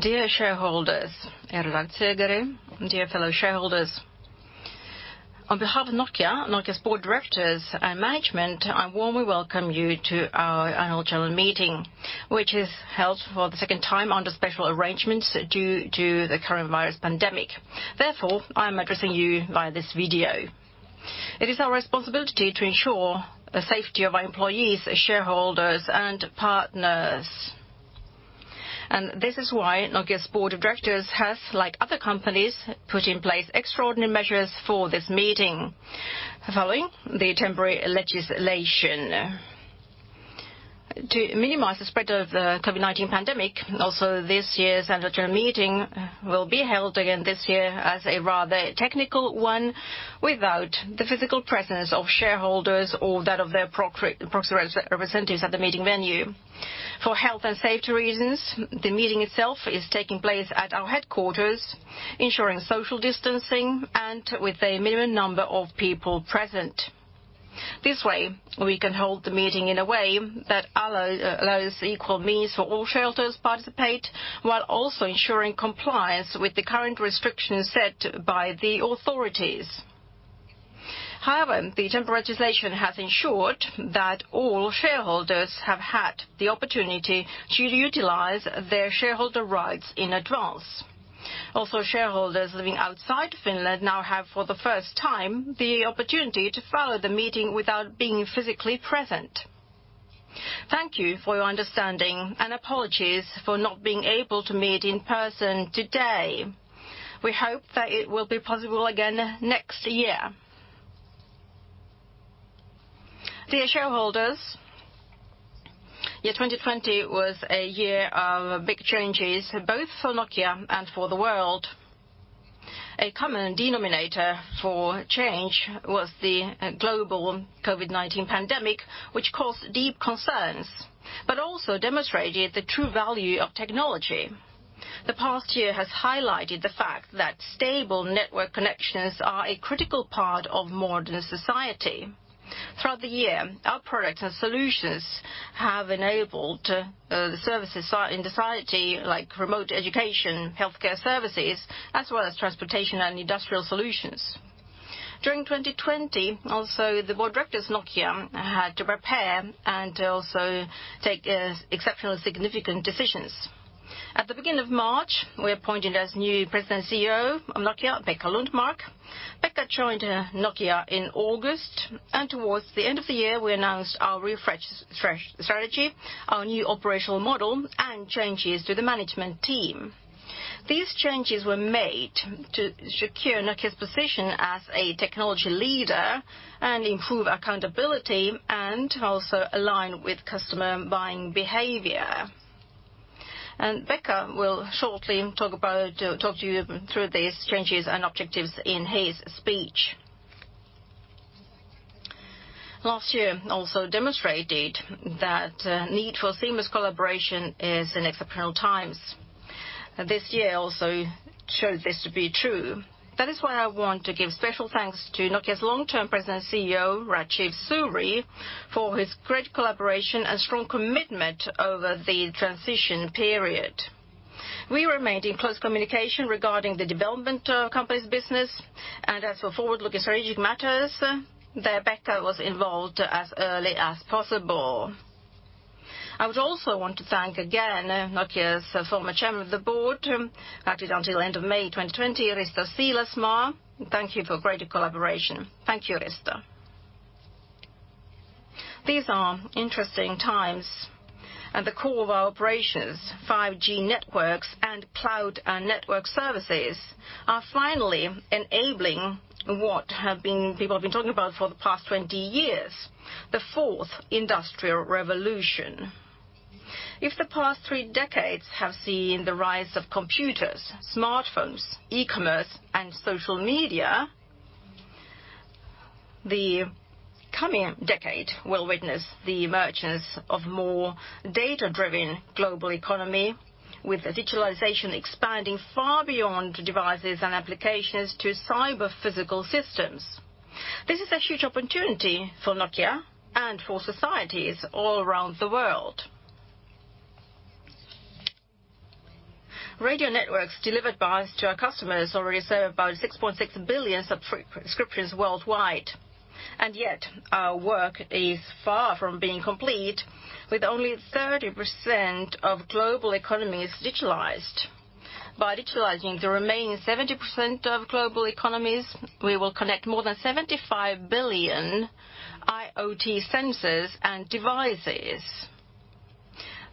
Dear shareholders, dear fellow shareholders. On behalf of Nokia's Board of Directors, and management, I warmly welcome you to our Annual General Meeting, which is held for the second time under special arrangements due to the coronavirus pandemic. Therefore, I am addressing you via this video. It is our responsibility to ensure the safety of our employees, shareholders, and partners. This is why Nokia's Board of Directors has, like other companies, put in place extraordinary measures for this meeting following the Temporary legislation. To minimize the spread of the COVID-19 pandemic, also this year's annual general meeting will be held again this year as a rather technical one, without the physical presence of shareholders or that of their proxy representatives at the meeting venue. For health and safety reasons, the meeting itself is taking place at our headquarters, ensuring social distancing and with a minimum number of people present. This way, we can hold the meeting in a way that allows equal means for all shareholders to participate, while also ensuring compliance with the current restrictions set by the authorities. The Temporary legislation has ensured that all shareholders have had the opportunity to utilize their shareholder rights in advance. Shareholders living outside Finland now have, for the first time, the opportunity to follow the meeting without being physically present. Thank you for your understanding, and apologies for not being able to meet in person today. We hope that it will be possible again next year. Dear shareholders, 2020 was a year of big changes, both for Nokia and for the world. A common denominator for change was the global COVID-19 pandemic, which caused deep concerns, but also demonstrated the true value of technology. The past year has highlighted the fact that stable network connections are a critical part of modern society. Throughout the year, our products and solutions have enabled the services in society, like remote education, healthcare services, as well as transportation and industrial solutions. During 2020, also the Board of Directors at Nokia had to prepare and also take exceptional significant decisions. At the beginning of March, we appointed as new President and CEO of Nokia, Pekka Lundmark. Pekka joined Nokia in August, and towards the end of the year, we announced our refreshed strategy, our new operational model, and changes to the management team. These changes were made to secure Nokia's position as a technology leader and improve accountability, and also align with customer buying behavior. Pekka will shortly talk to you through these changes and objectives in his speech. Last year also demonstrated that need for seamless collaboration is in exceptional times. This year also showed this to be true. That is why I want to give special thanks to Nokia's long-term President and CEO, Rajeev Suri, for his great collaboration and strong commitment over the transition period. We remained in close communication regarding the development of the company's business, and as for forward-looking strategic matters, there Pekka was involved as early as possible. I would also want to thank again Nokia's former Chairman of the Board, who acted until the end of May 2020, Risto Siilasmaa. Thank you for great collaboration. Thank you, Risto. These are interesting times. The core of our operations, 5G networks and Cloud and Network Services, are finally enabling what people have been talking about for the past 20 years, the fourth industrial revolution. If the past three decades have seen the rise of computers, smartphones, e-commerce, and social media, the coming decade will witness the emergence of more data-driven global economy, with digitalization expanding far beyond devices and applications to cyber physical systems. This is a huge opportunity for Nokia and for societies all around the world. Radio networks delivered by us to our customers already serve about 6.6 billion subscriptions worldwide. Yet our work is far from being complete, with only 30% of global economies digitalized. By digitalizing the remaining 70% of global economies, we will connect more than 75 billion IoT sensors and devices.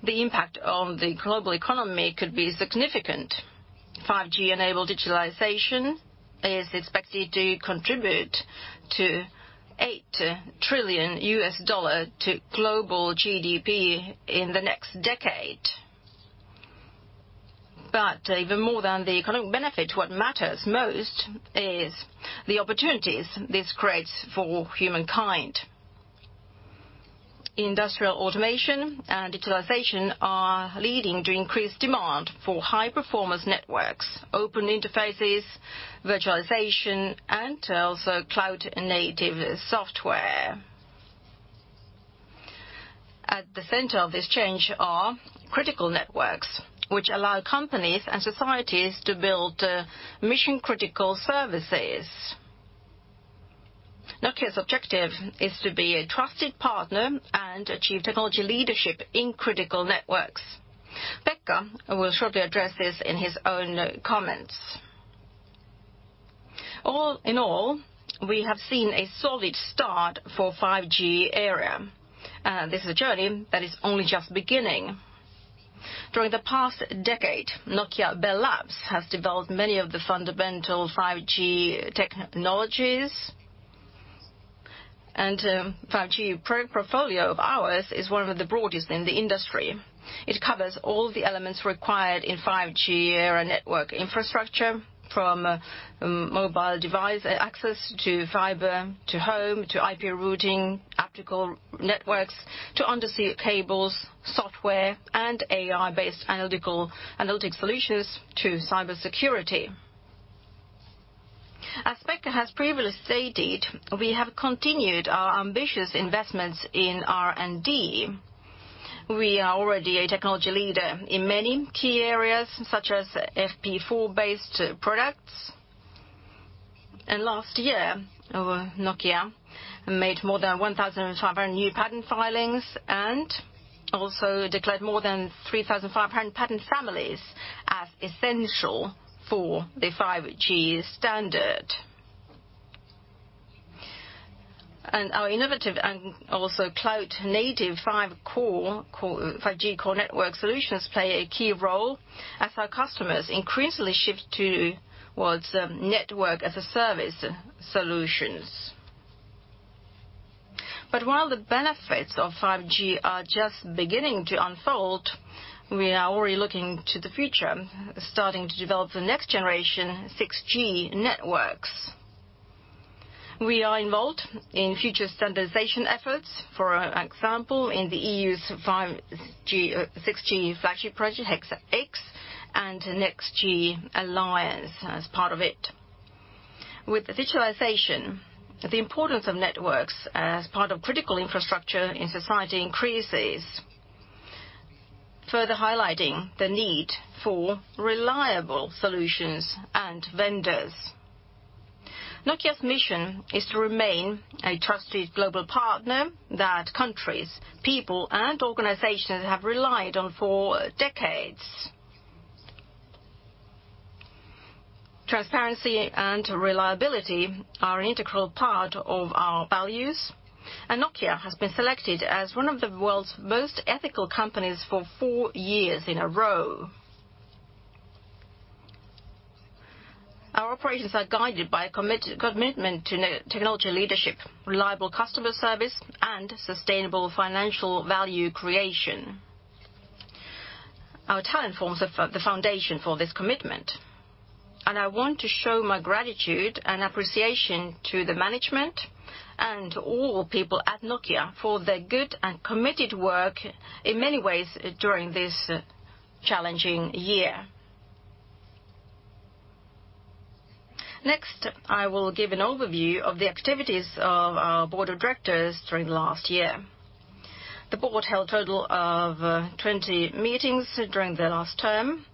The impact on the global economy could be significant. 5G-enabled digitalization is expected to contribute to $8 trillion to global GDP in the next decade. Even more than the economic benefit, what matters most is the opportunities this creates for humankind. Industrial automation and digitalization are leading to increased demand for high-performance networks, open interfaces, virtualization, and also cloud-native software. At the center of this change are critical networks, which allow companies and societies to build mission-critical services. Nokia's objective is to be a trusted partner and achieve technology leadership in critical networks. Pekka will shortly address this in his own comments. All in all, we have seen a solid start for 5G era. This is a journey that is only just beginning. During the past decade, Nokia Bell Labs has developed many of the fundamental 5G technologies, and 5G product portfolio of ours is one of the broadest in the industry. It covers all the elements required in 5G era network infrastructure, from mobile device access to fiber, to home, to IP routing, optical networks, to undersea cables, software and AI-based analytic solutions to cybersecurity. As Pekka has previously stated, we have continued our ambitious investments in R&D. We are already a technology leader in many key areas, such as FP4-based products. Last year, Nokia made more than 1,500 new patent filings and also declared more than 3,500 patent families as essential for the 5G standard. Our innovative and also cloud-native 5G core network solutions play a key role as our customers increasingly shift towards network-as-a-service solutions. While the benefits of 5G are just beginning to unfold, we are already looking to the future, starting to develop the next-generation 6G networks. We are involved in future standardization efforts. For example, in the EU's 6G flagship project, Hexa-X, and NextG Alliance as part of it. With digitalization, the importance of networks as part of critical infrastructure in society increases, further highlighting the need for reliable solutions and vendors. Nokia's mission is to remain a trusted global partner that countries, people, and organizations have relied on for decades. Transparency and reliability are an integral part of our values, and Nokia has been selected as one of the world's most ethical companies for four years in a row. Our operations are guided by a commitment to technology leadership, reliable customer service, and sustainable financial value creation. Our talent forms the foundation for this commitment, and I want to show my gratitude and appreciation to the management and all people at Nokia for their good and committed work in many ways during this challenging year. Next, I will give an overview of the activities of our board of directors during the last year. The board held a total of 20 meetings during their last term.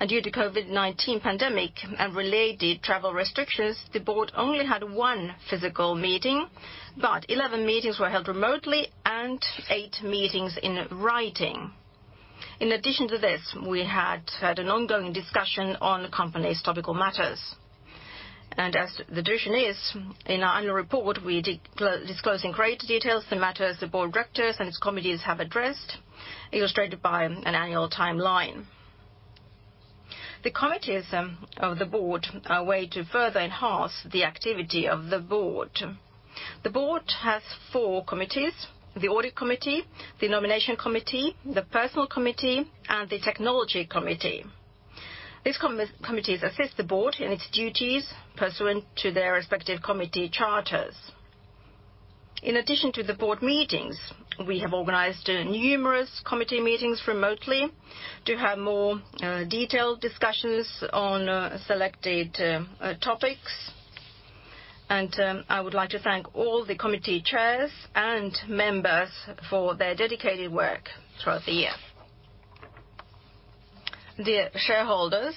Due to COVID-19 pandemic and related travel restrictions, the board only had one physical meeting, but 11 meetings were held remotely and eight meetings in writing. In addition to this, we had an ongoing discussion on the company's topical matters. As the tradition is, in our annual report, we disclose in greater details the matters the board of directors and its committees have addressed, illustrated by an annual timeline. The committees of the board are a way to further enhance the activity of the board. The board has four committees, the Audit Committee, the Nomination Committee, the Personnel Committee, and the Technology Committee. These committees assist the board in its duties pursuant to their respective committee charters. In addition to the board meetings, we have organized numerous committee meetings remotely to have more detailed discussions on selected topics, and I would like to thank all the committee chairs and members for their dedicated work throughout the year. Dear shareholders,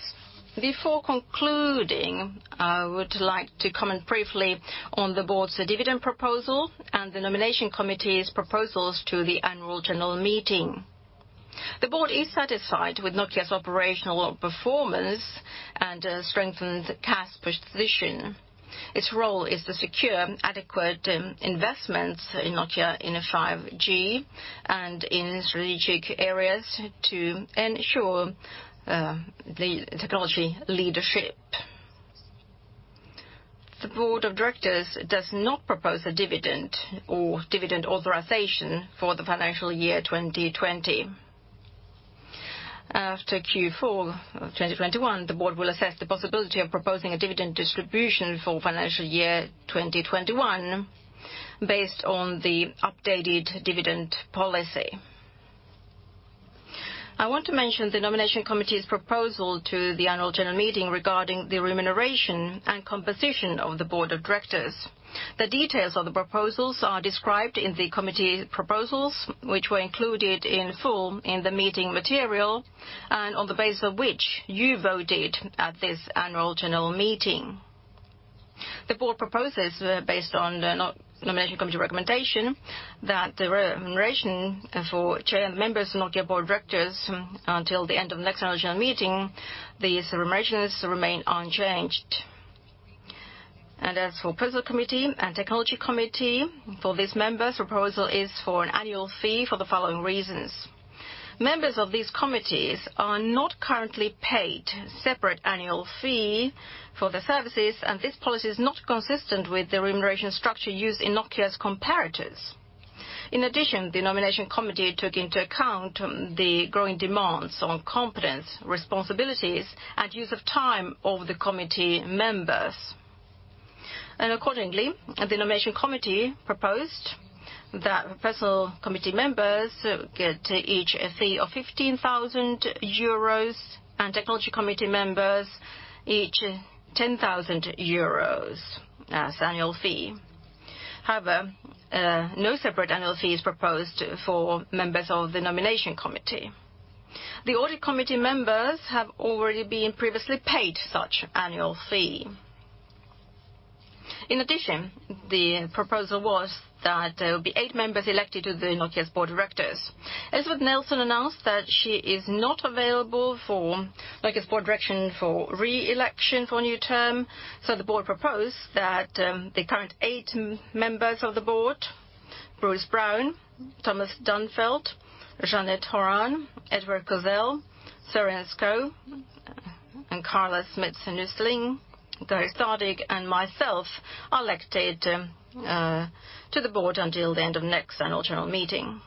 before concluding, I would like to comment briefly on the board's dividend proposal and the Nomination Committee's proposals to the annual general meeting. The board is satisfied with Nokia's operational performance and strengthened cash position. Its role is to secure adequate investments in Nokia in 5G and in strategic areas to ensure the technology leadership. The board of directors does not propose a dividend or dividend authorization for the financial year 2020. After Q4 of 2021, the board will assess the possibility of proposing a dividend distribution for financial year 2021 based on the updated dividend policy. I want to mention the Nomination Committee's proposal to the annual general meeting regarding the remuneration and composition of the board of directors. The details of the proposals are described in the committee proposals, which were included in full in the meeting material, and on the basis of which you voted at this annual general meeting. The board proposes based on the Nomination Committee recommendation that the remuneration for chair members of Nokia Board of Directors until the end of next annual general meeting, these remunerations remain unchanged. As for Personnel Committee and Technology Committee, for these members, proposal is for an annual fee for the following reasons. Members of these committees are not currently paid separate annual fee for their services, and this policy is not consistent with the remuneration structure used in Nokia's comparators. The Nomination Committee took into account the growing demands on competence, responsibilities, and use of time of the committee members. Accordingly, the Nomination Committee proposed that Personnel Committee members get each a fee of 15,000 euros and Technology Committee members each 10,000 euros as annual fee. However, no separate annual fee is proposed for members of the Nomination Committee. The Audit Committee members have already been previously paid such annual fee. The proposal was that there will be eight members elected to the Nokia's Board of Directors. Elizabeth Nelson announced that she is not available for Nokia's Board direction for re-election for a new term, the board proposed that the current eight members of the board, Bruce Brown, Thomas Dannenfeldt, Jeanette Horan, Edward Kozel, Søren Skou, and Carla Smits-Nusteling, Kari Stadigh, and myself, are elected to the board until the end of next annual general meeting.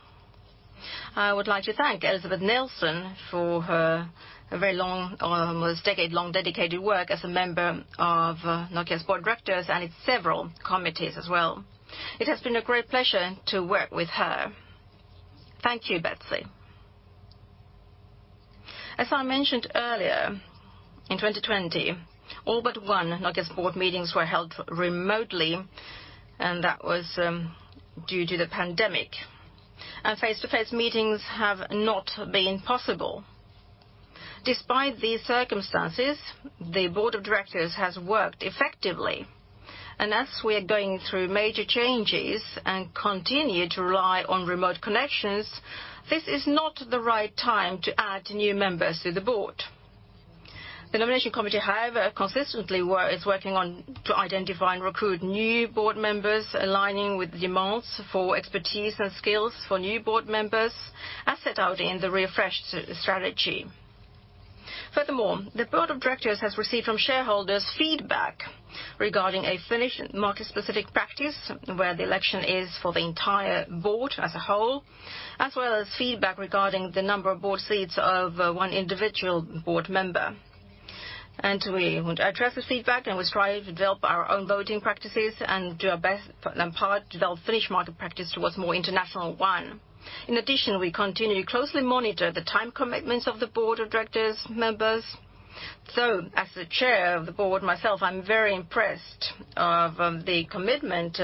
I would like to thank Elizabeth Nelson for her very long, almost decade-long dedicated work as a member of Nokia's Board of Directors and its several committees as well. It has been a great pleasure to work with her. Thank you, Betsy. As I mentioned earlier, in 2020, all but one of Nokia's Board meetings were held remotely, and that was due to the pandemic. Face-to-face meetings have not been possible. Despite these circumstances, the board of directors has worked effectively. As we are going through major changes and continue to rely on remote connections, this is not the right time to add new members to the board. The Nomination Committee, however, consistently is working on to identify and recruit new board members aligning with demands for expertise and skills for new board members, as set out in the refreshed strategy. Furthermore, the board of directors has received from shareholders feedback regarding a Finnish market-specific practice where the election is for the entire board as a whole, as well as feedback regarding the number of board seats of one individual board member. We address the feedback, and we strive to develop our own voting practices and do our best part to develop Finnish market practice towards more international one. In addition, we continue to closely monitor the time commitments of the board of directors members. As the chair of the board myself, I'm very impressed of the commitment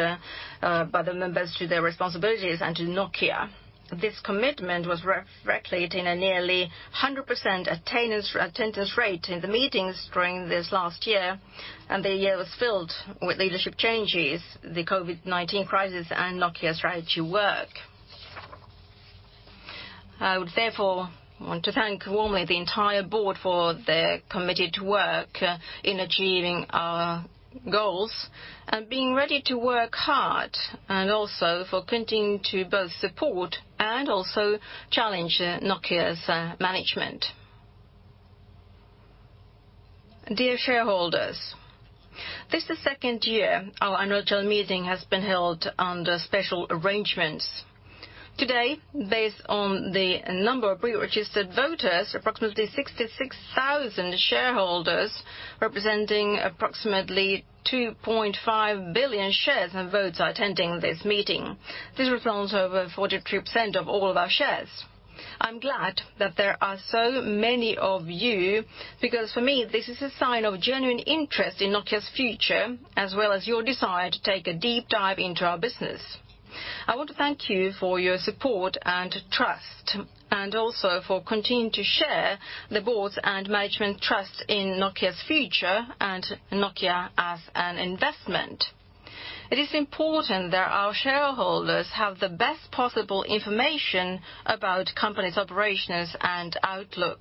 by the members to their responsibilities and to Nokia. This commitment was reflected in a nearly 100% attendance rate in the meetings during this last year, and the year was filled with leadership changes, the COVID-19 crisis, and Nokia strategy work. I would therefore want to thank warmly the entire board for their committed work in achieving our goals and being ready to work hard, and also for continuing to both support and also challenge Nokia's management. Dear shareholders, this is the second year our annual general meeting has been held under special arrangements. Today, based on the number of pre-registered voters, approximately 66,000 shareholders representing approximately 2.5 billion shares and votes are attending this meeting. This represents over 43% of all of our shares. I'm glad that there are so many of you, because for me, this is a sign of genuine interest in Nokia's future, as well as your desire to take a deep dive into our business. I want to thank you for your support and trust, and also for continuing to share the board's and management trust in Nokia's future and Nokia as an investment. It is important that our shareholders have the best possible information about company's operations and outlook.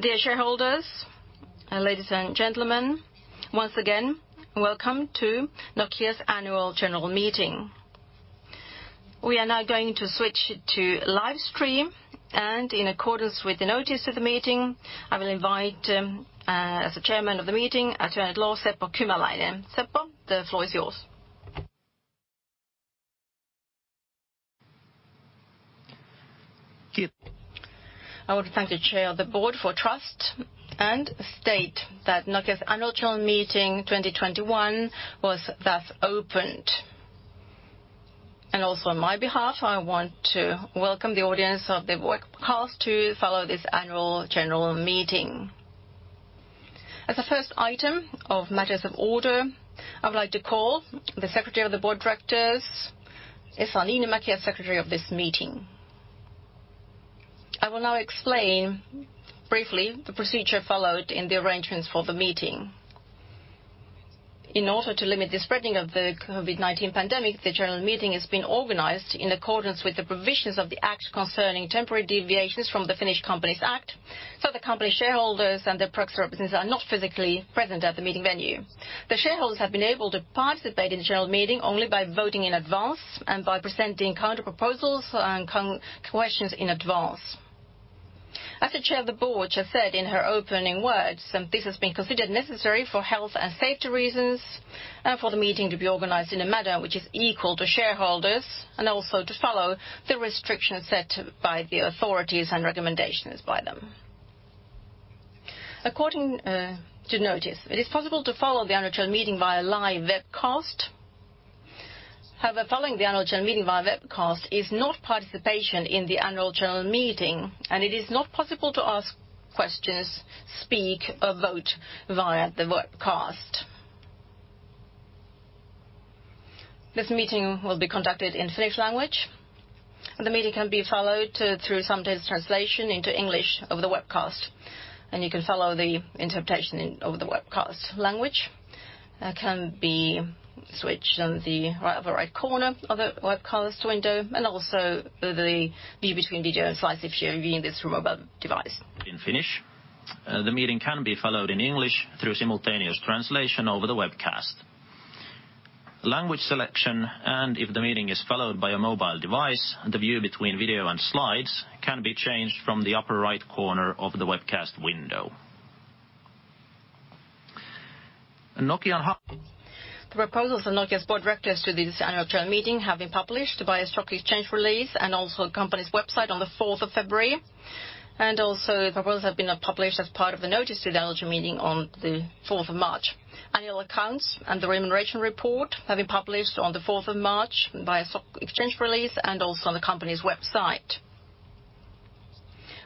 Dear shareholders, ladies and gentlemen, once again, welcome to Nokia's Annual General Meeting. We are now going to switch to live stream, and in accordance with the notice of the meeting, I will invite, as the chairman of the meeting, Attorney-at-law Seppo Kymäläinen. Seppo, the floor is yours. I want to thank the chair of the board for trust and state that Nokia's Annual General Meeting 2021 was thus opened. Also on my behalf, I want to welcome the audience of the webcast to follow this annual general meeting. As a first item of matters of order, I would like to call the Secretary of the Board of Directors, Esa Niinimäki, as secretary of this meeting. I will now explain briefly the procedure followed in the arrangements for the meeting. In order to limit the spreading of the COVID-19 pandemic, the general meeting has been organized in accordance with the provisions of the act concerning temporary deviations from the Finnish Companies Act. The company shareholders and their proxy representatives are not physically present at the meeting venue. The shareholders have been able to participate in the general meeting only by voting in advance and by presenting counter proposals and questions in advance. As the chair of the board just said in her opening words, this has been considered necessary for health and safety reasons, and for the meeting to be organized in a manner which is equal to shareholders, and also to follow the restrictions set by the authorities and recommendations by them. According to notice, it is possible to follow the annual general meeting via live webcast. However, following the annual general meeting via webcast is not participation in the annual general meeting, and it is not possible to ask questions, speak, or vote via the webcast. This meeting will be conducted in Finnish language, and the meeting can be followed through simultaneous translation into English over the webcast, and you can follow the interpretation over the webcast language. That can be switched on the upper right corner of the webcast window, and also the view between video and slides if you are viewing this from mobile device. In Finnish. The meeting can be followed in English through simultaneous translation over the webcast. Language selection, if the meeting is followed by a mobile device, the view between video and slides can be changed from the upper right corner of the webcast window. The proposals of Nokia's Board of Directors to this annual general meeting have been published via stock exchange release and also company's website on the 4th of February, and also the proposals have been published as part of the notice to the annual general meeting on the 4th of March. Annual accounts and the remuneration report have been published on the 4th of March via stock exchange release, and also on the company's website.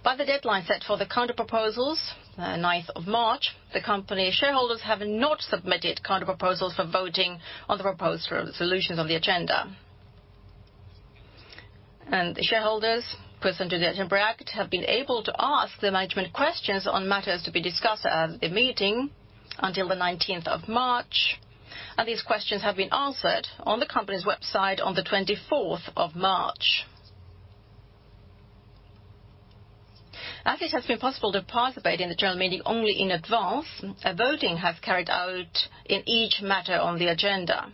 By the deadline set for the counter proposals, the 9th of March, the company shareholders have not submitted counter proposals for voting on the proposed solutions on the agenda. The shareholders, pursuant to the Temporary Act, have been able to ask the management questions on matters to be discussed at the meeting until the 19th of March, and these questions have been answered on the company's website on the 24th of March. As it has been possible to participate in the general meeting only in advance, a voting have carried out in each matter on the agenda.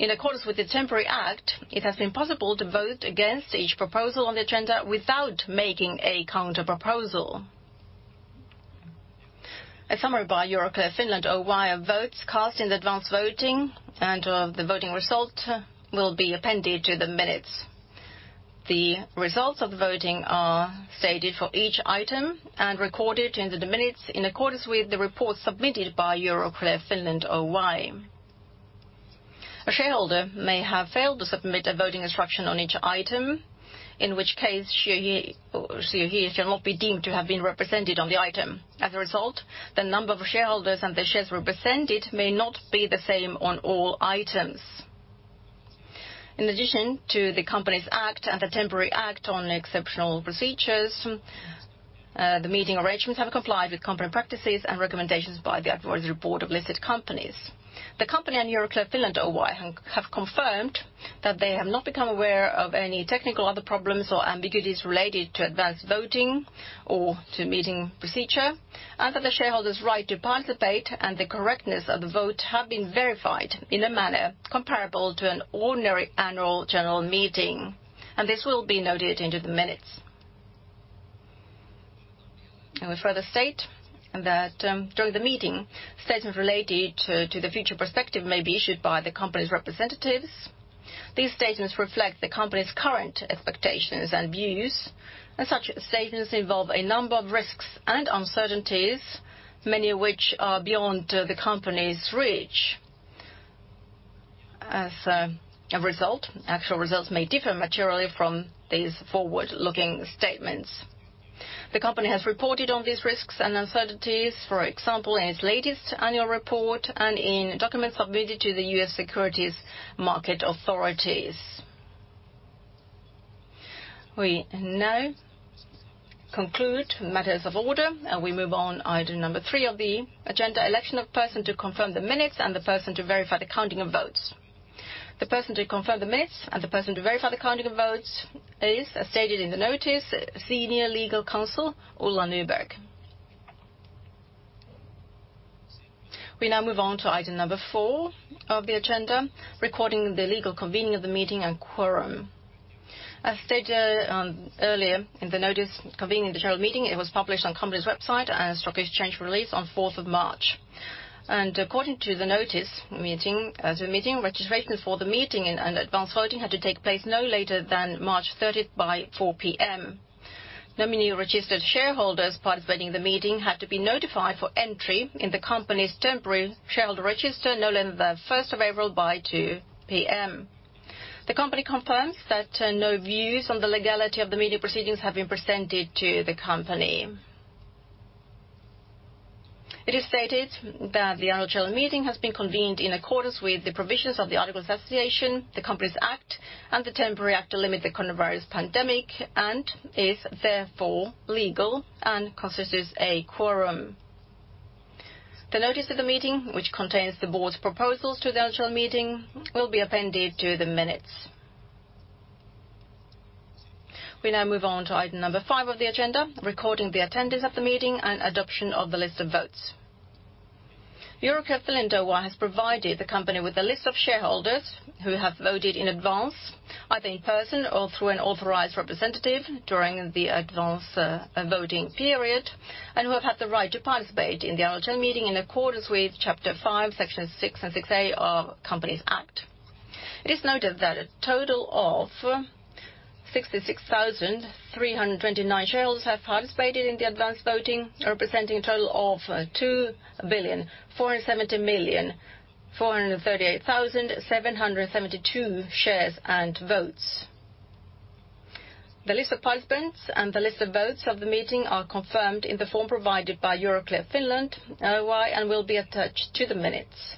In accordance with the Temporary Act, it has been possible to vote against each proposal on the agenda without making a counter proposal. A summary by Euroclear Finland Oy of votes cast in advance voting and of the voting result will be appended to the minutes. The results of the voting are stated for each item and recorded into the minutes in accordance with the report submitted by Euroclear Finland Oy. A shareholder may have failed to submit a voting instruction on each item, in which case she or he shall not be deemed to have been represented on the item. As a result, the number of shareholders and the shares represented may not be the same on all items. In addition to the Companies Act and the Temporary Act on exceptional procedures, the meeting arrangements have complied with company practices and recommendations by the Advisory Board of Listed Companies. The company and Euroclear Finland Oy have confirmed that they have not become aware of any technical or other problems or ambiguities related to advance voting or to meeting procedure, and that the shareholder's right to participate and the correctness of the vote have been verified in a manner comparable to an ordinary annual general meeting. This will be noted into the minutes. We further state that during the meeting, statements related to the future perspective may be issued by the company's representatives. These statements reflect the company's current expectations and views, and such statements involve a number of risks and uncertainties, many of which are beyond the company's reach. As a result, actual results may differ materially from these forward-looking statements. The company has reported on these risks and uncertainties, for example, in its latest annual report and in documents submitted to the U.S. securities market authorities. We now conclude matters of order. We move on item number three of the agenda, election of person to confirm the minutes and the person to verify the counting of votes. The person to confirm the minutes and the person to verify the counting of votes is, as stated in the notice, Senior Legal Counsel Ulla Nyberg. We now move on to item number four of the agenda, recording the legal convening of the meeting and quorum. As stated earlier in the notice convening the general meeting, it was published on company's website and stock exchange release on 4th of March. According to the notice, registration for the meeting and advance voting had to take place no later than March 30th by 4:00 P.M. Nominee registered shareholders participating in the meeting had to be notified for entry in the company's temporary shareholder register no later than 1st of April by 2:00 P.M. The company confirms that no views on the legality of the meeting proceedings have been presented to the company. It is stated that the annual general meeting has been convened in accordance with the provisions of the Articles of Association, the Companies Act, and the Temporary Act to limit the COVID-19 pandemic, and is therefore legal and constitutes a quorum. The notice of the meeting, which contains the board's proposals to the annual general meeting, will be appended to the minutes. We now move on to item number five of the agenda, recording the attendance at the meeting and adoption of the list of votes. Euroclear Finland Oy has provided the company with a list of shareholders who have voted in advance, either in person or through an authorized representative during the advance voting period, and who have had the right to participate in the annual general meeting in accordance with Chapter 5, Sections 6 and 6A of Companies Act. It is noted that a total of 66,329 shareholders have participated in the advance voting, representing a total of 2,470,438,772 shares and votes. The list of participants and the list of votes of the meeting are confirmed in the form provided by Euroclear Finland Oy, and will be attached to the minutes.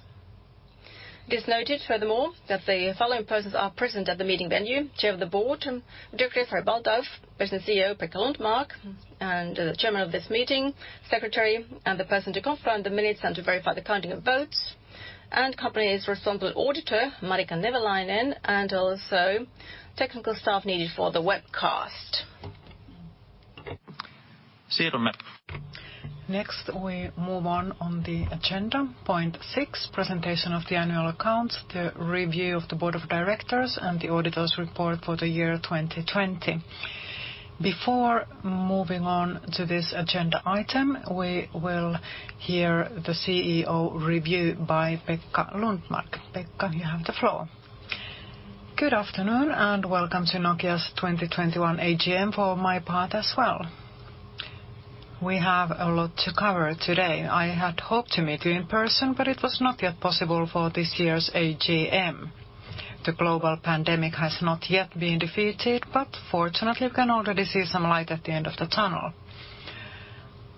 It is noted, furthermore, that the following persons are present at the meeting venue: Chair of the Board, Sari Baldauf, Business CEO, Pekka Lundmark, and the chairman of this meeting, secretary, and the person to confirm the minutes and to verify the counting of votes, and company's Responsible Auditor, Marika Nevalainen, and also technical staff needed for the webcast. We move on the agenda, point six, presentation of the annual accounts, the review of the board of directors, and the auditor's report for the year 2020. Before moving on to this agenda item, we will hear the CEO review by Pekka Lundmark. Pekka, you have the floor. Good afternoon, welcome to Nokia's 2021 AGM for my part as well. We have a lot to cover today. I had hoped to meet you in person, it was not yet possible for this year's AGM. The global pandemic has not yet been defeated, fortunately, we can already see some light at the end of the tunnel.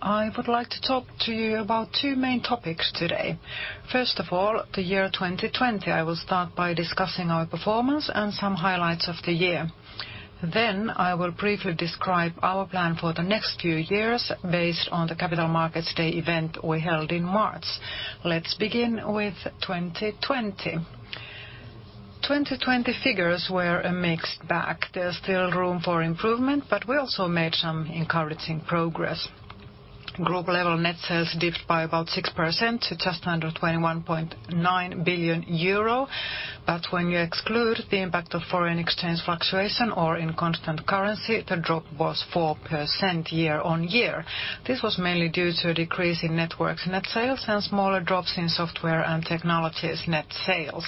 I would like to talk to you about two main topics today. First of all, the year 2020. I will start by discussing our performance and some highlights of the year. I will briefly describe our plan for the next few years based on the Capital Markets Day event we held in March. Let's begin with 2020. 2020 figures were a mixed bag. There's still room for improvement, but we also made some encouraging progress. Group-level net sales dipped by about 6% to just under 21.9 billion euro. When you exclude the impact of foreign exchange fluctuation or in constant currency, the drop was 4% year-on-year. This was mainly due to a decrease in networks' net sales and smaller drops in software and technologies net sales.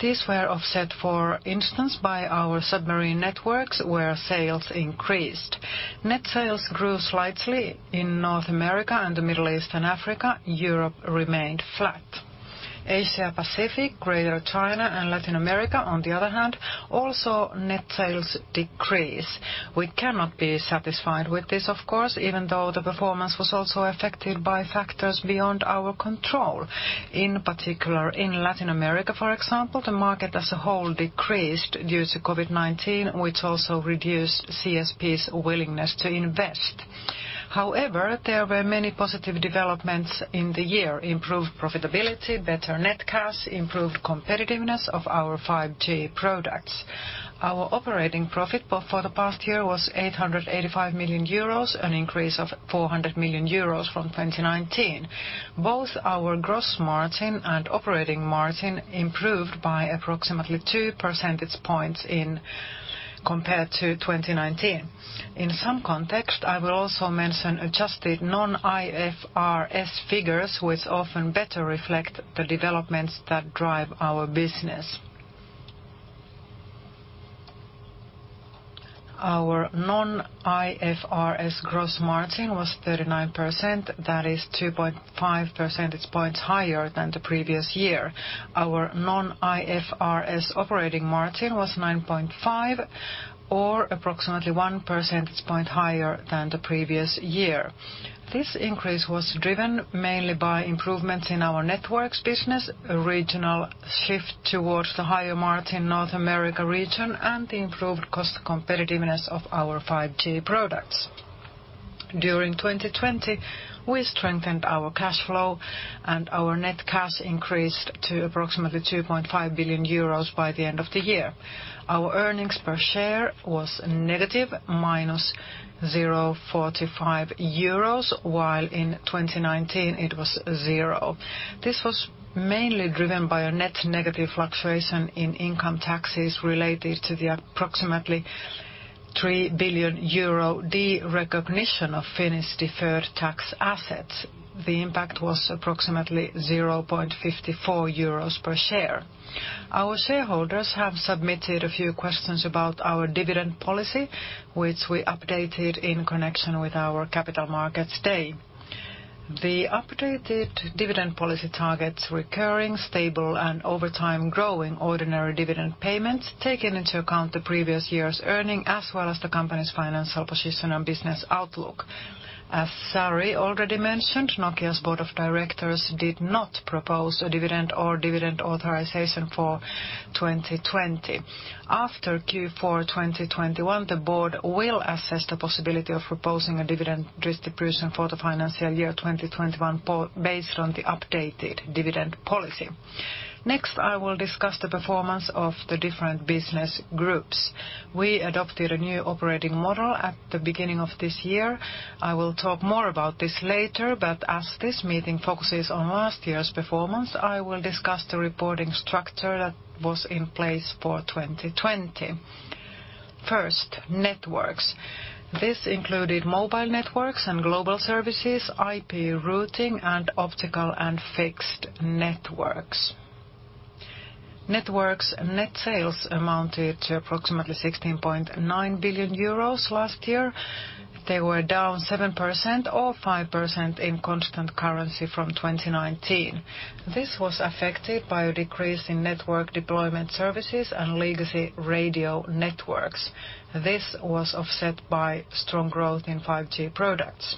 These were offset, for instance, by our submarine networks, where sales increased. Net sales grew slightly in North America and the Middle East and Africa. Europe remained flat. Asia Pacific, Greater China, and Latin America, on the other hand, also net sales decreased. We cannot be satisfied with this, of course, even though the performance was also affected by factors beyond our control. In particular, in Latin America, for example, the market as a whole decreased due to COVID-19, which also reduced CSP's willingness to invest. There were many positive developments in the year: improved profitability, better net cash, improved competitiveness of our 5G products. Our operating profit for the past year was 885 million euros, an increase of 400 million euros from 2019. Both our gross margin and operating margin improved by approximately 2 percentage points compared to 2019. In some context, I will also mention adjusted non-IFRS figures, which often better reflect the developments that drive our business. Our non-IFRS gross margin was 39%. That is 2.5 percentage points higher than the previous year. Our non-IFRS operating margin was 9.5 percentage points or approximately 1 percentage point higher than the previous year. This increase was driven mainly by improvements in our networks business, a regional shift towards the higher margin North America region, and the improved cost competitiveness of our 5G products. During 2020, we strengthened our cash flow, and our net cash increased to approximately 2.5 billion euros by the end of the year. Our earnings per share was negative, -0.45 euros, while in 2019, it was zero. This was mainly driven by a net negative fluctuation in income taxes related to the approximately 3 billion euro derecognition of Finnish deferred tax assets. The impact was approximately 0.5 euros per share. Our shareholders have submitted a few questions about our dividend policy, which we updated in connection with our Capital Markets Day. The updated dividend policy targets recurring, stable, and over time growing ordinary dividend payments, taking into account the previous year's earnings, as well as the company's financial position and business outlook. As Sari already mentioned, Nokia's Board of Directors did not propose a dividend or dividend authorization for 2020. After Q4 2021, the board will assess the possibility of proposing a dividend distribution for the financial year 2021 based on the updated dividend policy. Next, I will discuss the performance of the different business groups. We adopted a new operating model at the beginning of this year. I will talk more about this later, but as this meeting focuses on last year's performance, I will discuss the reporting structure that was in place for 2020. First, Networks. This included Mobile Networks and global services, IP routing, and optical and fixed networks. Networks net sales amounted to approximately 16.9 billion euros last year. They were down 7% or 5% in constant currency from 2019. This was affected by a decrease in network deployment services and legacy radio networks. This was offset by strong growth in 5G products.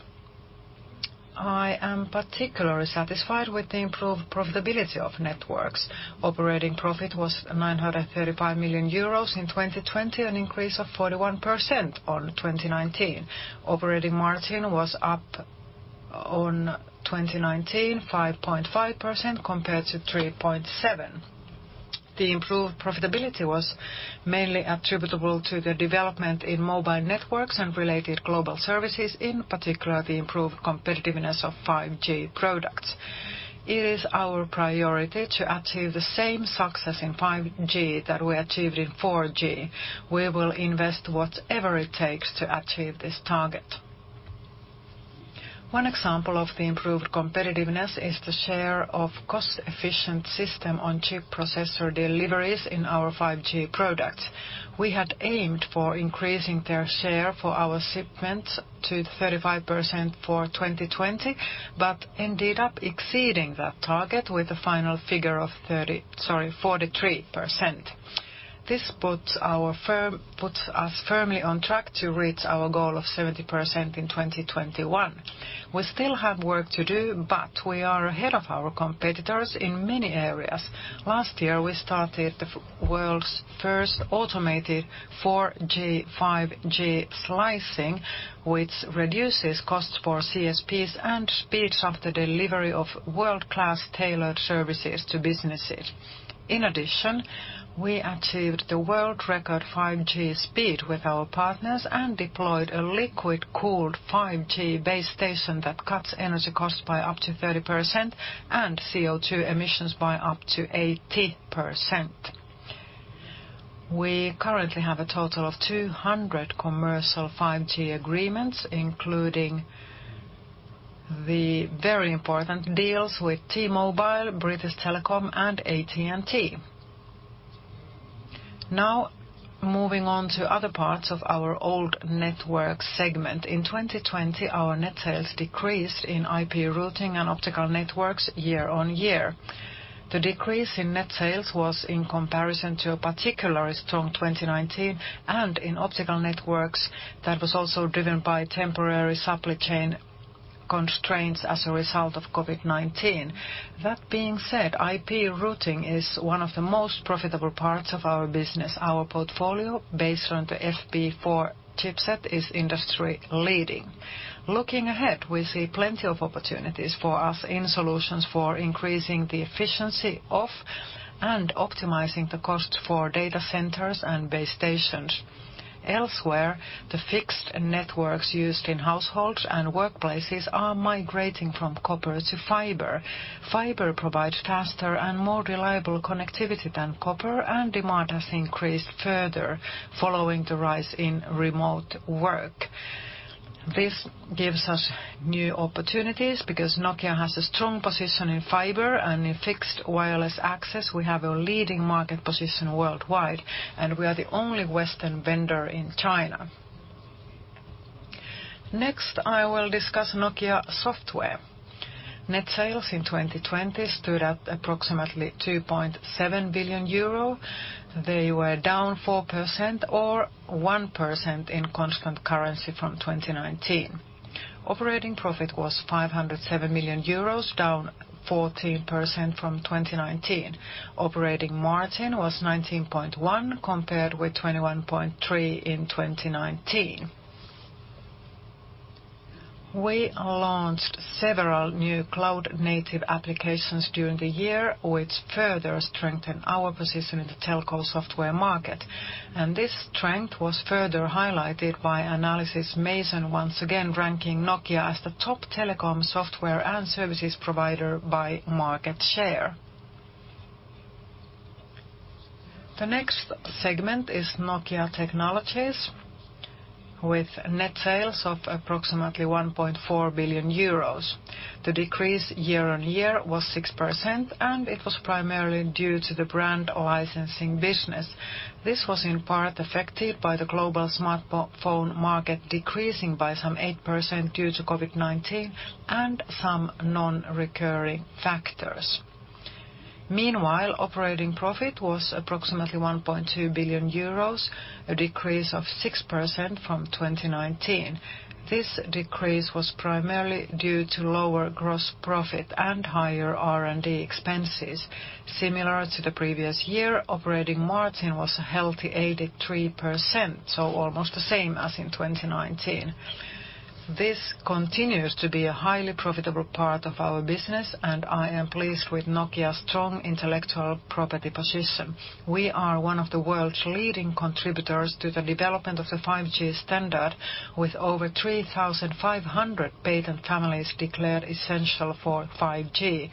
I am particularly satisfied with the improved profitability of Networks. Operating profit was 935 million euros in 2020, an increase of 41% on 2019. Operating margin was up on 2019, 5.5% compared to 3.7%. The improved profitability was mainly attributable to the development in Mobile Networks and related global services, in particular the improved competitiveness of 5G products. It is our priority to achieve the same success in 5G that we achieved in 4G. We will invest whatever it takes to achieve this target. One example of the improved competitiveness is the share of cost-efficient system-on-chip processor deliveries in our 5G products. We had aimed for increasing their share for our shipments to 35% for 2020, but ended up exceeding that target with a final figure of 43%. This puts us firmly on track to reach our goal of 70% in 2021. We still have work to do, but we are ahead of our competitors in many areas. Last year, we started the world's first automated 4G/5G slicing, which reduces costs for CSPs and speeds up the delivery of world-class tailored services to businesses. In addition, we achieved the world record 5G speed with our partners and deployed a liquid-cooled 5G base station that cuts energy costs by up to 30% and CO2 emissions by up to 80%. We currently have a total of 200 commercial 5G agreements, including the very important deals with T-Mobile, British Telecom, and AT&T. Now, moving on to other parts of our old Networks segment. In 2020, our net sales decreased in IP routing and optical networks year-on-year. The decrease in net sales was in comparison to a particularly strong 2019 and in optical networks that was also driven by temporary supply chain constraints as a result of COVID-19. That being said, IP routing is one of the most profitable parts of our business. Our portfolio based on the FP4 chipset is industry-leading. Looking ahead, we see plenty of opportunities for us in solutions for increasing the efficiency of and optimizing the cost for data centers and base stations. Elsewhere, the fixed networks used in households and workplaces are migrating from copper to fiber. Fiber provides faster and more reliable connectivity than copper, and demand has increased further following the rise in remote work. This gives us new opportunities because Nokia has a strong position in fiber and in fixed wireless access. We have a leading market position worldwide, and we are the only Western vendor in China. Next, I will discuss Nokia Software. Net sales in 2020 stood at approximately 2.7 billion euro. They were down 4% or 1% in constant currency from 2019. Operating profit was 507 million euros, down 14% from 2019. Operating margin was 19.1% compared with 21.3% in 2019. We launched several new cloud-native applications during the year, which further strengthened our position in the telco software market. This strength was further highlighted by Analysys Mason once again ranking Nokia as the top telecom software and services provider by market share. The next segment is Nokia Technologies with net sales of approximately 1.4 billion euros. The decrease year-over-year was 6%. It was primarily due to the brand licensing business. This was in part affected by the global smartphone market decreasing by some 8% due to COVID-19 and some non-recurring factors. Meanwhile, operating profit was approximately 1.2 billion euros, a decrease of 6% from 2019. This decrease was primarily due to lower gross profit and higher R&D expenses. Similar to the previous year, operating margin was a healthy 83%. Almost the same as in 2019. This continues to be a highly profitable part of our business. I am pleased with Nokia's strong intellectual property position. We are one of the world's leading contributors to the development of the 5G standard, with over 3,500 patent families declared essential for 5G.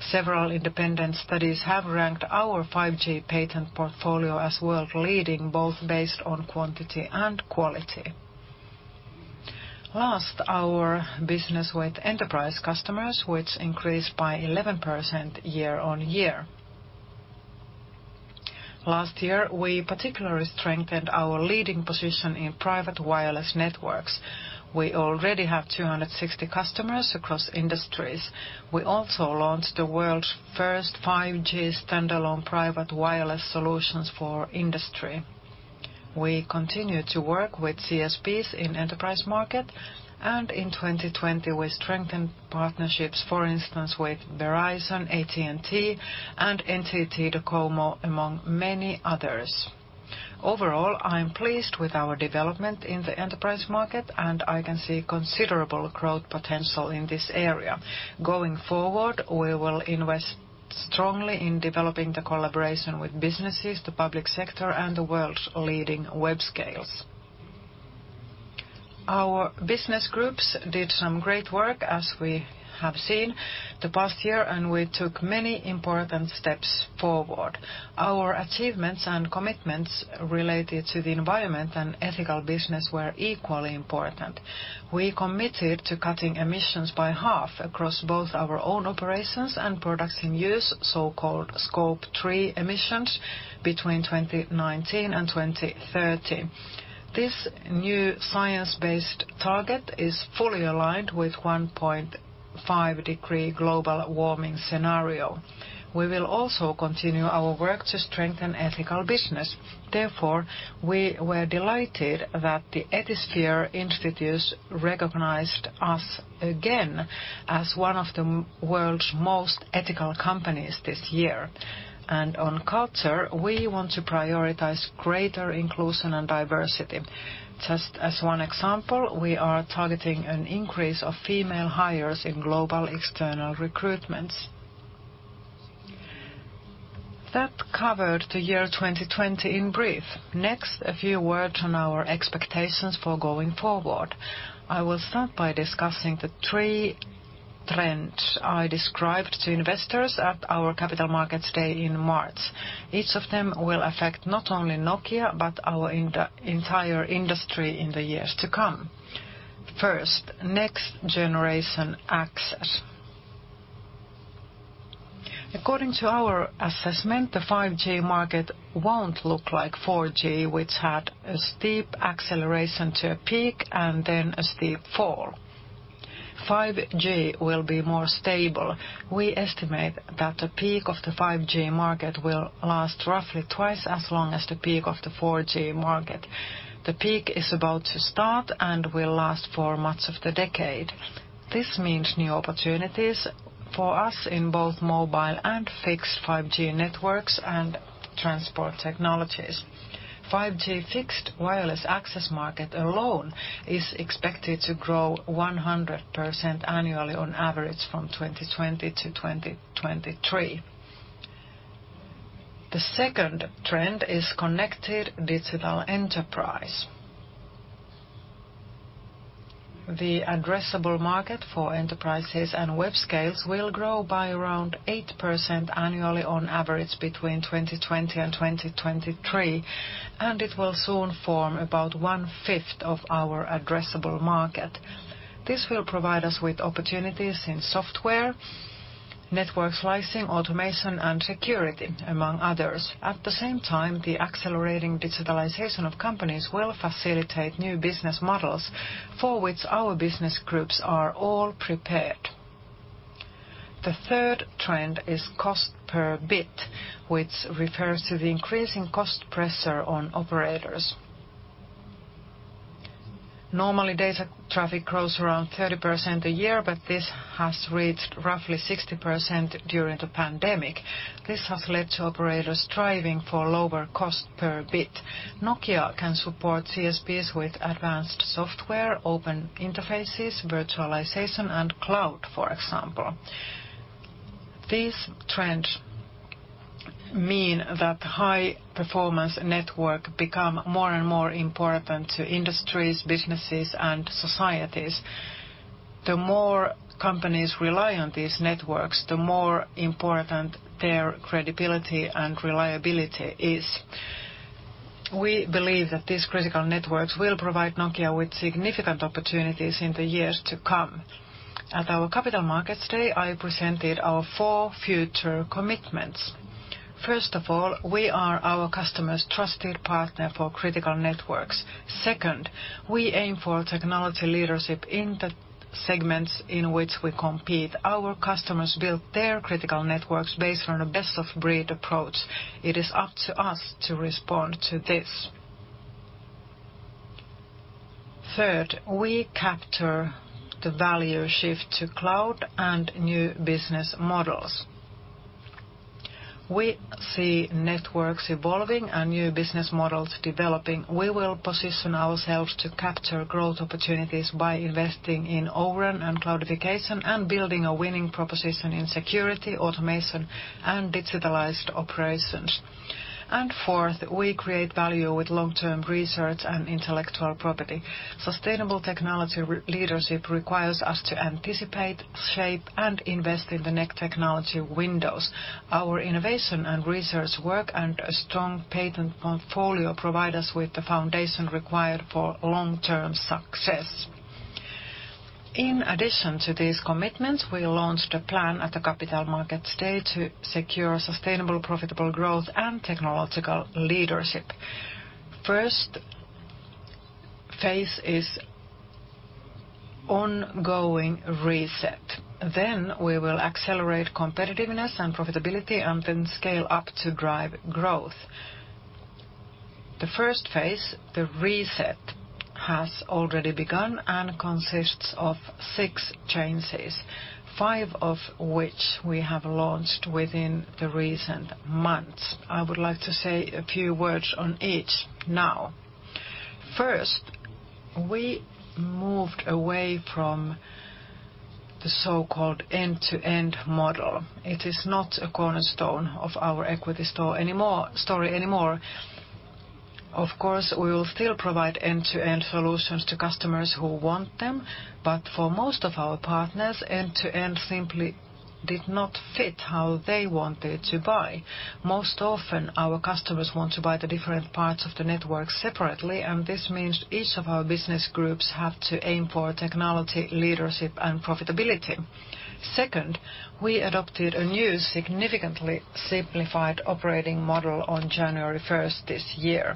Several independent studies have ranked our 5G patent portfolio as world-leading, both based on quantity and quality. Last, our business with enterprise customers, which increased by 11% year-on-year. Last year, we particularly strengthened our leading position in private wireless networks. We already have 260 customers across industries. We also launched the world's first 5G standalone private wireless solutions for industry. We continue to work with CSPs in enterprise market, and in 2020, we strengthened partnerships, for instance, with Verizon, AT&T, and NTT DOCOMO, among many others. Overall, I am pleased with our development in the enterprise market, and I can see considerable growth potential in this area. Going forward, we will invest strongly in developing the collaboration with businesses, the public sector, and the world's leading web scales. Our business groups did some great work as we have seen the past year, and we took many important steps forward. Our achievements and commitments related to the environment and ethical business were equally important. We committed to cutting emissions by half across both our own operations and products in use, so-called scope 3 emissions, between 2019 and 2030. This new science-based target is fully aligned with 1.5-degree global warming scenario. We will also continue our work to strengthen ethical business. Therefore, we were delighted that the Ethisphere Institute recognized us again as one of the World's Most Ethical Companies this year. On culture, we want to prioritize greater inclusion and diversity. Just as one example, we are targeting an increase of female hires in global external recruitments. That covered the year 2020 in brief. Next, a few words on our expectations for going forward. I will start by discussing the three trends I described to investors at our Capital Markets Day in March. Each of them will affect not only Nokia, but our entire industry in the years to come. First, next generation access. According to our assessment, the 5G market won't look like 4G, which had a steep acceleration to a peak and then a steep fall. 5G will be more stable. We estimate that the peak of the 5G market will last roughly twice as long as the peak of the 4G market. The peak is about to start and will last for much of the decade. This means new opportunities for us in both mobile and fixed 5G networks and transport technologies. 5G fixed wireless access market alone is expected to grow 100% annually on average from 2020 to 2023. The second trend is connected digital enterprise. The addressable market for enterprises and web scales will grow by around 8% annually on average between 2020 and 2023, and it will soon form about 1/5 of our addressable market. This will provide us with opportunities in software, network slicing, automation, and security, among others. At the same time, the accelerating digitalization of companies will facilitate new business models for which our business groups are all prepared. The third trend is cost per bit, which refers to the increasing cost pressure on operators. Normally, data traffic grows around 30% a year, but this has reached roughly 60% during the pandemic. This has led to operators striving for lower cost per bit. Nokia can support CSPs with advanced software, open interfaces, virtualization, and cloud, for example. These trends mean that high-performance network become more and more important to industries, businesses, and societies. The more companies rely on these networks, the more important their credibility and reliability is. We believe that these critical networks will provide Nokia with significant opportunities in the years to come. At our Capital Markets Day, I presented our four future commitments. First of all, we are our customers' trusted partner for critical networks. We aim for technology leadership in the segments in which we compete. Our customers build their critical networks based on a best-of-breed approach. It is up to us to respond to this. Third, we capture the value shift to cloud and new business models. We see networks evolving and new business models developing. We will position ourselves to capture growth opportunities by investing in O-RAN and cloudification and building a winning proposition in security, automation, and digitalized operations. Fourth, we create value with long-term research and intellectual property. Sustainable technology leadership requires us to anticipate, shape, and invest in the next technology windows. Our innovation and research work and a strong patent portfolio provide us with the foundation required for long-term success. In addition to these commitments, we launched a plan at the Capital Markets Day to secure sustainable, profitable growth and technological leadership. First phase is ongoing reset. We will accelerate competitiveness and profitability, and then scale up to drive growth. The first phase, the reset, has already begun and consists of six changes, five of which we have launched within the recent months. I would like to say a few words on each now. First, we moved away from the so-called end-to-end model. It is not a cornerstone of our equity story anymore. Of course, we will still provide end-to-end solutions to customers who want them. For most of our partners, end-to-end simply did not fit how they wanted to buy. Most often, our customers want to buy the different parts of the network separately. This means each of our business groups have to aim for technology, leadership, and profitability. Second, we adopted a new, significantly simplified operating model on January 1st this year.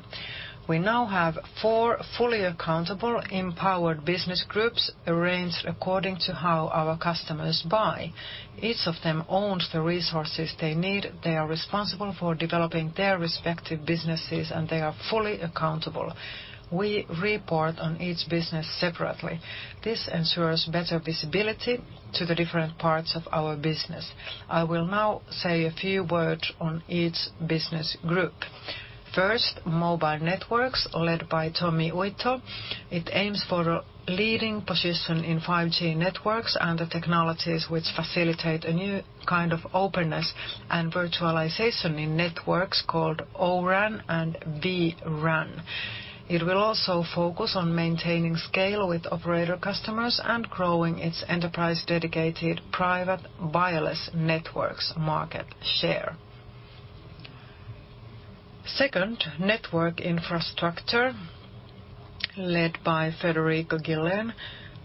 We now have four fully accountable, empowered business groups arranged according to how our customers buy. Each of them owns the resources they need. They are responsible for developing their respective businesses, and they are fully accountable. We report on each business separately. This ensures better visibility to the different parts of our business. I will now say a few words on each business group. First, Mobile Networks, led by Tommi Uitto. It aims for a leading position in 5G networks and the technologies which facilitate a new kind of openness and virtualization in networks called O-RAN and vRAN. It will also focus on maintaining scale with operator customers and growing its enterprise-dedicated private wireless networks market share. Second, Network Infrastructure, led by Federico Guillén.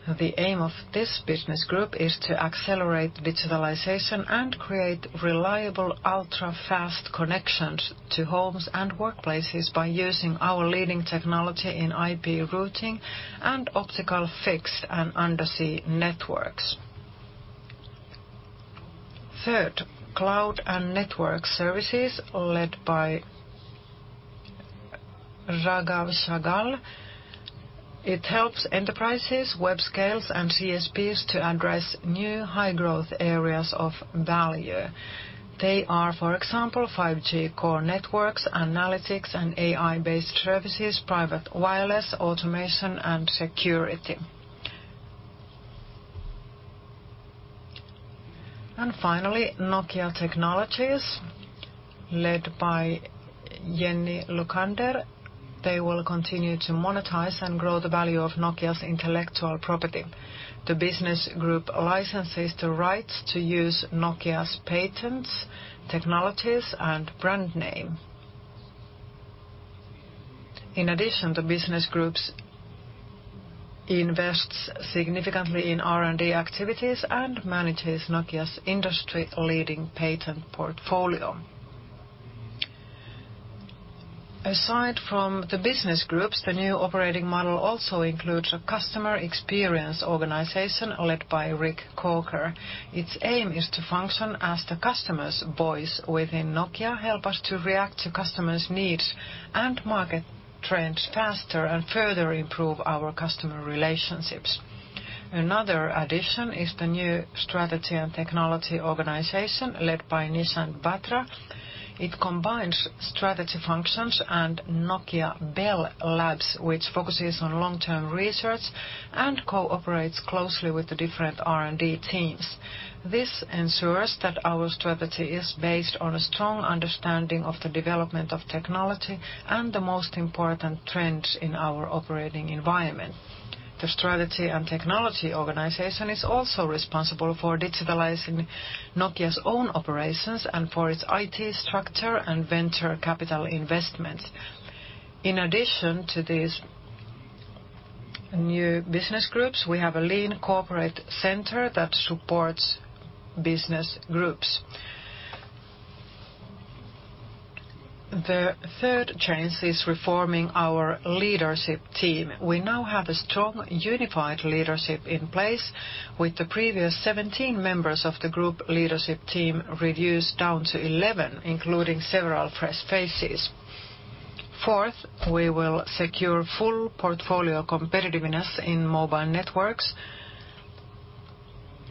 The aim of this business group is to accelerate digitalization and create reliable ultra-fast connections to homes and workplaces by using our leading technology in IP routing and optical fixed and undersea networks. Third, Cloud and Network Services, led by Raghav Sahgal. It helps enterprises, web scales, and CSPs to address new high-growth areas of value. They are, for example, 5G core networks, analytics and AI-based services, private wireless, automation, and security. Finally, Nokia Technologies, led by Jenni Lukander. They will continue to monetize and grow the value of Nokia's intellectual property. The business group licenses the rights to use Nokia's patents, technologies, and brand name. In addition, the business group invests significantly in R&D activities and manages Nokia's industry-leading patent portfolio. Aside from the business groups, the new operating model also includes a customer experience organization led by Rick Corker. Its aim is to function as the customer's voice within Nokia, help us to react to customers' needs and market trends faster, and further improve our customer relationships. Another addition is the new strategy and technology organization led by Nishant Batra. It combines strategy functions and Nokia Bell Labs, which focuses on long-term research and cooperates closely with the different R&D teams. This ensures that our strategy is based on a strong understanding of the development of technology and the most important trends in our operating environment. The strategy and technology organization is also responsible for digitalizing Nokia's own operations and for its IT structure and venture capital investments. In addition to these new business groups, we have a lean corporate center that supports business groups. The third change is reforming our leadership team. We now have a strong, unified leadership in place with the previous 17 members of the group leadership team reduced down to 11, including several fresh faces. Fourth, we will secure full portfolio competitiveness in Mobile Networks.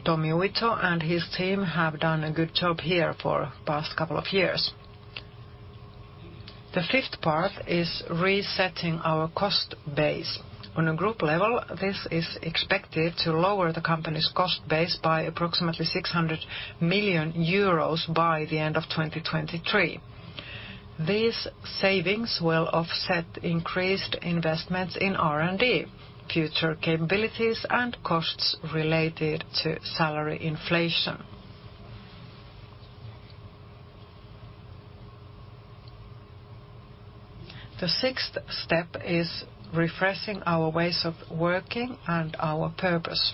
Tommi Uitto and his team have done a good job here for the past couple of years. The fifth part is resetting our cost base. On a group level, this is expected to lower the company's cost base by approximately 600 million euros by the end of 2023. These savings will offset increased investments in R&D, future capabilities, and costs related to salary inflation. The sixth step is refreshing our ways of working and our purpose.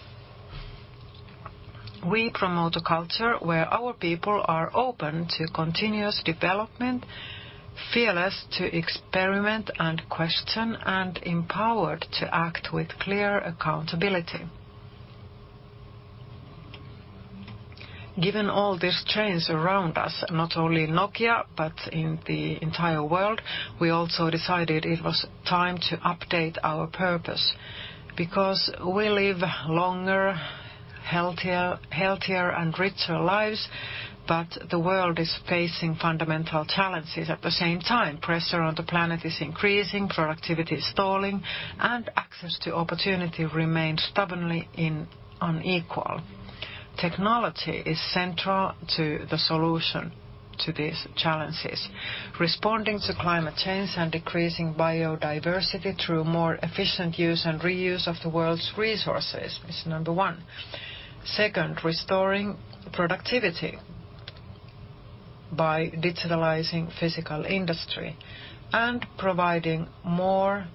We promote a culture where our people are open to continuous development, fearless to experiment and question, and empowered to act with clear accountability. Given all this change around us, not only Nokia, but in the entire world, we also decided it was time to update our purpose. We live longer, healthier, and richer lives, but the world is facing fundamental challenges at the same time. Pressure on the planet is increasing, productivity is stalling, and access to opportunity remains stubbornly unequal. Technology is central to the solution to these challenges. Responding to climate change and decreasing biodiversity through more efficient use and reuse of the world's resources is number one. Second, restoring productivity by digitalizing physical industry and providing more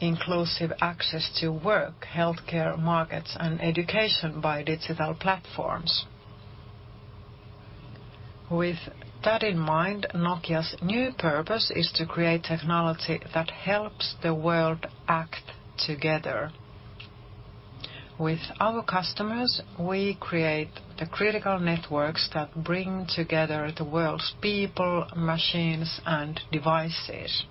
inclusive access to work, healthcare markets, and education by digital platforms. With that in mind, Nokia's new purpose is to create technology that helps the world act together. With our customers, we create the critical networks that bring together the world's people, machines, and devices.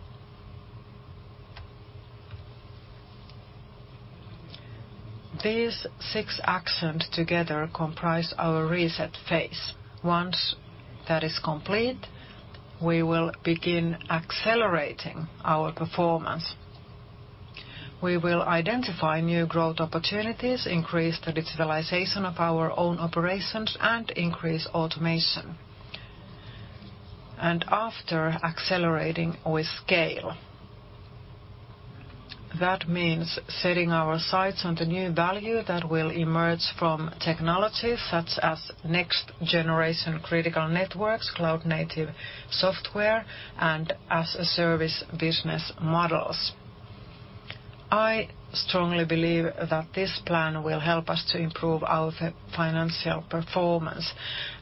These six actions together comprise our reset phase. Once that is complete, we will begin accelerating our performance. We will identify new growth opportunities, increase the digitalization of our own operations, and increase automation. After accelerating, we scale. That means setting our sights on the new value that will emerge from technologies such as next-generation critical networks, cloud-native software, and as-a-service business models. I strongly believe that this plan will help us to improve our financial performance.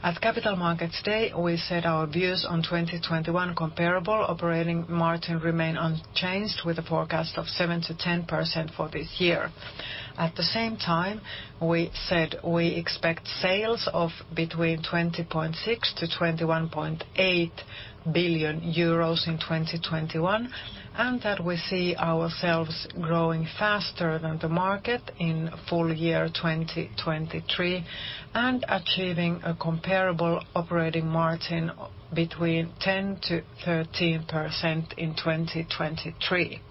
At Capital Markets Day, we said our views on 2021 comparable operating margin remain unchanged with a forecast of 7%-10% for this year. At the same time, we said we expect sales of between 20.6 billion to 21.8 billion euros in 2021, and that we see ourselves growing faster than the market in full year 2023, and achieving a comparable operating margin between 10%-13% in 2023.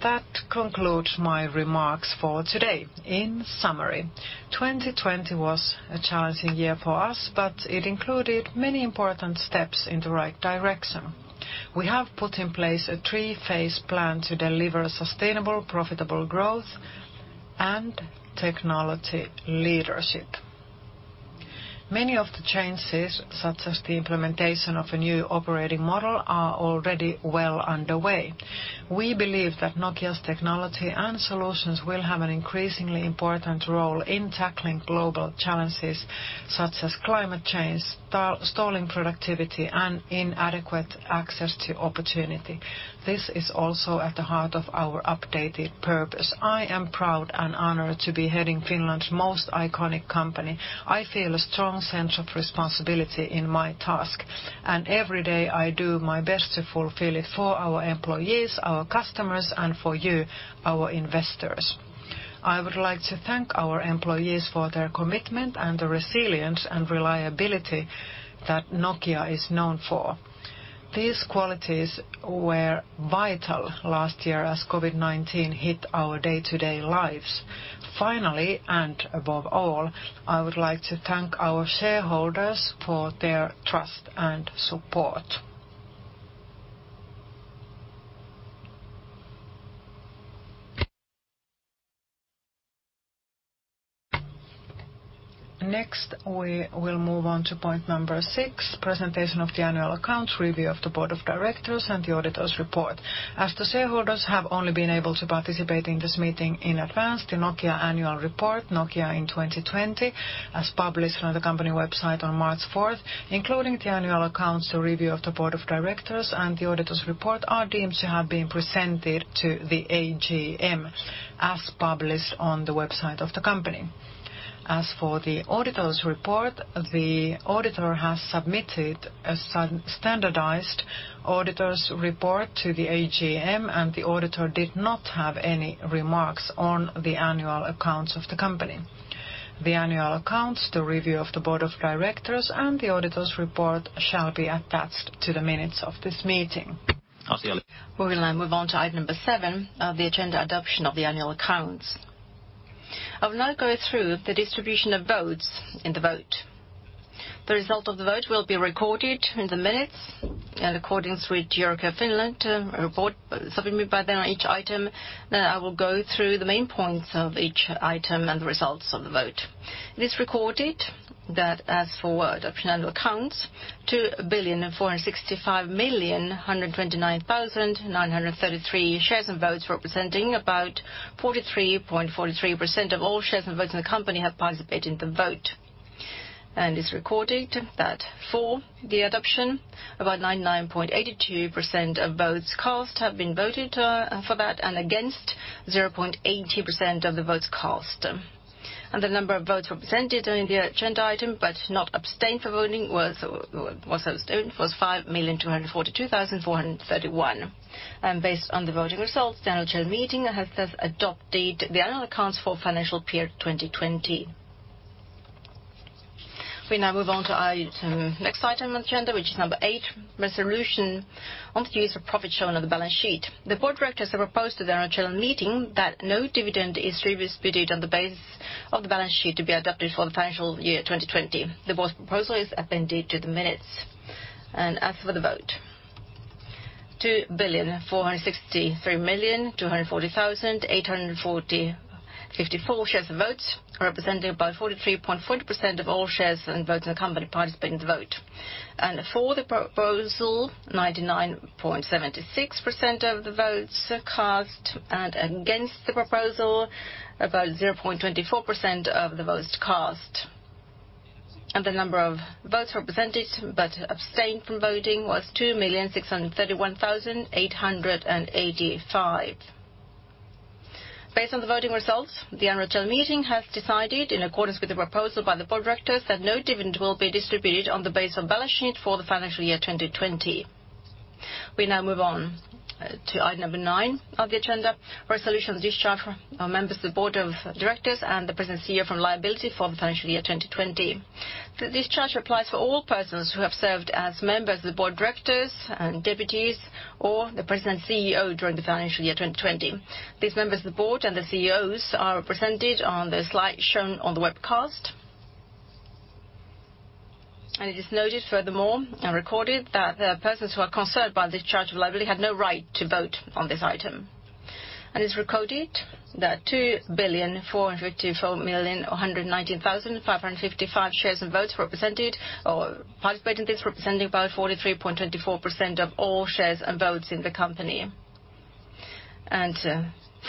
That concludes my remarks for today. In summary, 2020 was a challenging year for us, but it included many important steps in the right direction. We have put in place a three-phase plan to deliver sustainable, profitable growth and technology leadership. Many of the changes, such as the implementation of a new operating model, are already well underway. We believe that Nokia's technology and solutions will have an increasingly important role in tackling global challenges such as climate change, stalling productivity, and inadequate access to opportunity. This is also at the heart of our updated purpose. I am proud and honored to be heading Finland's most iconic company. I feel a strong sense of responsibility in my task, and every day I do my best to fulfill it for our employees, our customers, and for you, our investors. I would like to thank our employees for their commitment and the resilience and reliability that Nokia is known for. These qualities were vital last year as COVID-19 hit our day-to-day lives. Finally, above all, I would like to thank our shareholders for their trust and support. We will move on to point number six, presentation of the annual accounts, review of the board of directors, and the auditor's report. As the shareholders have only been able to participate in this meeting in advance, the Nokia annual report, Nokia in 2020, as published on the company website on March 4th, including the annual accounts review of the board of directors and the auditor's report are deemed to have been presented to the AGM as published on the website of the company. As for the auditor's report, the auditor has submitted a standardized auditor's report to the AGM, and the auditor did not have any remarks on the annual accounts of the company. The annual accounts, the review of the board of directors, and the auditor's report shall be attached to the minutes of this meeting. We will now move on to item number seven of the agenda, adoption of the annual accounts. I will now go through the distribution of votes in the vote. The result of the vote will be recorded in the minutes. According to Euroclear Finland report submitted by them on each item, I will go through the main points of each item and the results of the vote. It is recorded that as for adoption annual accounts, 2,465,129,933 shares and votes representing about 43.43% of all shares and votes in the company have participated in the vote. It is recorded that for the adoption, about 99.82% of votes cast have been voted for that, and against, 0.80% of the votes cast. The number of votes represented in the agenda item but not abstained for voting was 5,242,431. Based on the voting results, the annual general meeting has thus adopted the annual accounts for financial year 2020. We now move on to next item on agenda, which is number eight, resolution on the use of profits shown on the balance sheet. The board of directors have proposed to the annual general meeting that no dividend is distributed on the basis of the balance sheet to be adopted for the financial year 2020. The board's proposal is appended to the minutes. As for the vote, 2,463,240,854 shares of votes, representing about 43.40% of all shares and votes in the company participated in the vote. For the proposal, 99.76% of the votes cast. Against the proposal, about 0.24% of the votes cast. The number of votes represented but abstained from voting was 2,631,885. Based on the voting results, the annual general meeting has decided, in accordance with the proposal by the board of directors, that no dividend will be distributed on the base of balance sheet for the financial year 2020. We now move on to item number nine of the agenda, resolution discharge of members of the board of directors and the present CEO from liability for the financial year 2020. The discharge applies for all persons who have served as members of the board of directors and deputies or the present CEO during the financial year 2020. These members of the board and the CEOs are represented on the slide shown on the webcast. It is noted furthermore, and recorded that the persons who are concerned by this charge of liability had no right to vote on this item. It is recorded that 2,454,119,555 shares and votes participated in this, representing about 43.24% of all shares and votes in the company.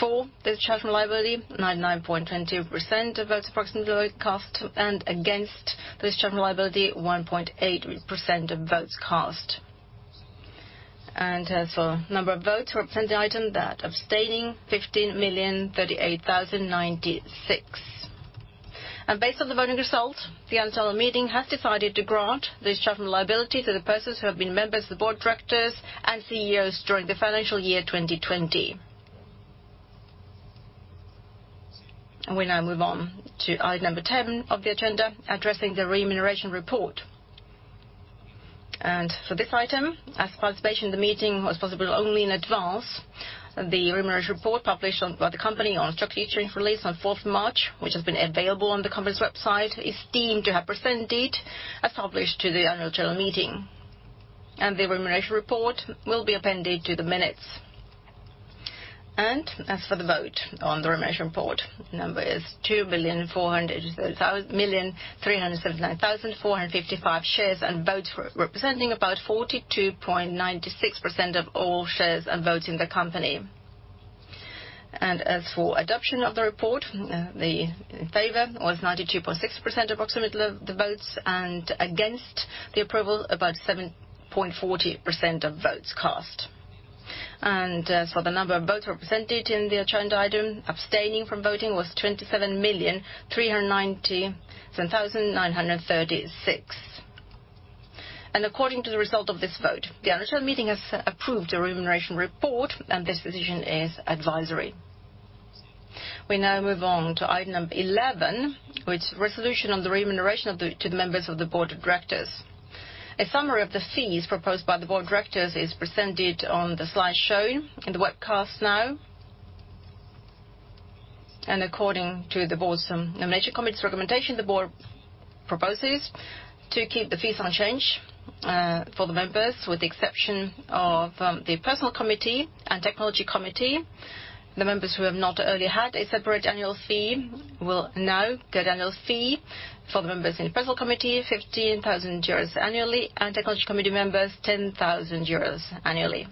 For the charge from liability, 99.20% of votes approximately were cast, and against this charge from liability, 1.8% of votes cast. As for number of votes represented item that abstaining, 15,038,096. Based on the voting result, the annual general meeting has decided to grant the discharge from liability to the persons who have been members of the board of directors and CEOs during the financial year 2020. We now move on to item number 10 of the agenda, addressing the remuneration report. For this item, as participation in the meeting was possible only in advance, the remuneration report published by the company on a structured release on 4th March, which has been available on the company's website, is deemed to have presented as published to the annual general meeting. The remuneration report will be appended to the minutes. As for the vote on the remuneration report, number is 2,400,379,455 shares and votes representing about 42.96% of all shares and votes in the company. As for adoption of the report, the in favor was 92.6% approximately of the votes, against the approval, about 7.40% of votes cast. As for the number of votes represented in the agenda item, abstaining from voting was 27,397,936. According to the result of this vote, the annual general meeting has approved a remuneration report, and this decision is advisory. We now move on to item number 11, which is resolution on the remuneration to the members of the board of directors. A summary of the fees proposed by the board of directors is presented on the slide shown in the webcast now. According to the board's nomination committee's recommendation, the board proposes to keep the fees unchanged for the members with the exception of the Personnel Committee and Technology Committee. The members who have not already had a separate annual fee will now get annual fee. For the members in Personnel Committee, 15,000 euros annually, and Technology Committee members 10,000 euros annually.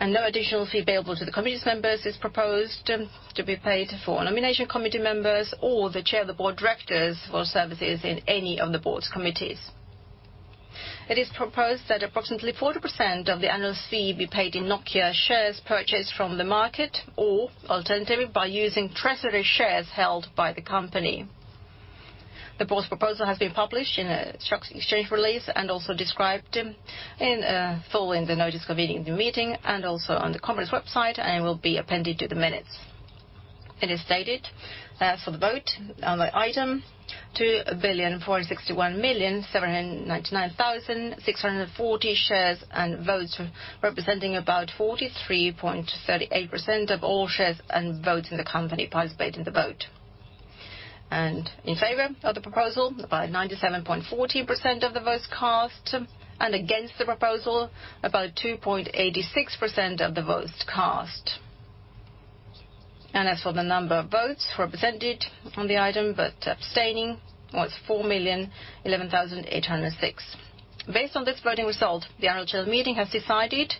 No additional fee payable to the committees members is proposed to be paid for Nomination Committee members or the chair of the board of directors for services in any of the board's committees. It is proposed that approximately 40% of the annual fee be paid in Nokia shares purchased from the market or alternatively, by using treasury shares held by the company. The board's proposal has been published in a stock exchange release and also described in full in the notice convening the meeting and also on the company's website and will be appended to the minutes. It is stated, for the vote on the item, 2,461,799,640 shares and votes representing about 43.38% of all shares and votes in the company participated in the vote. In favor of the proposal, about 97.14% of the votes cast and against the proposal, about 2.86% of the votes cast. As for the number of votes represented on the item, but abstaining was 4,011,806. Based on this voting result, the annual general meeting has decided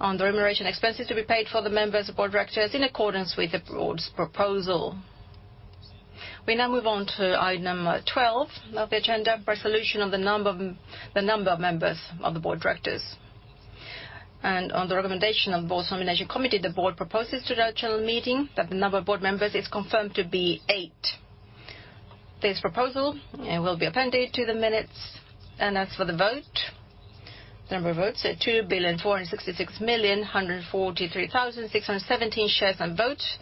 on the remuneration expenses to be paid for the members of the board of directors in accordance with the board's proposal. We now move on to item number 12 of the agenda, resolution of the number of members of the board of directors. On the recommendation of the board's Nomination Committee, the board proposes to the general meeting that the number of Board members is confirmed to be eight. This proposal will be appended to the minutes. As for the vote, the number of votes are 2,466,143,617 shares and votes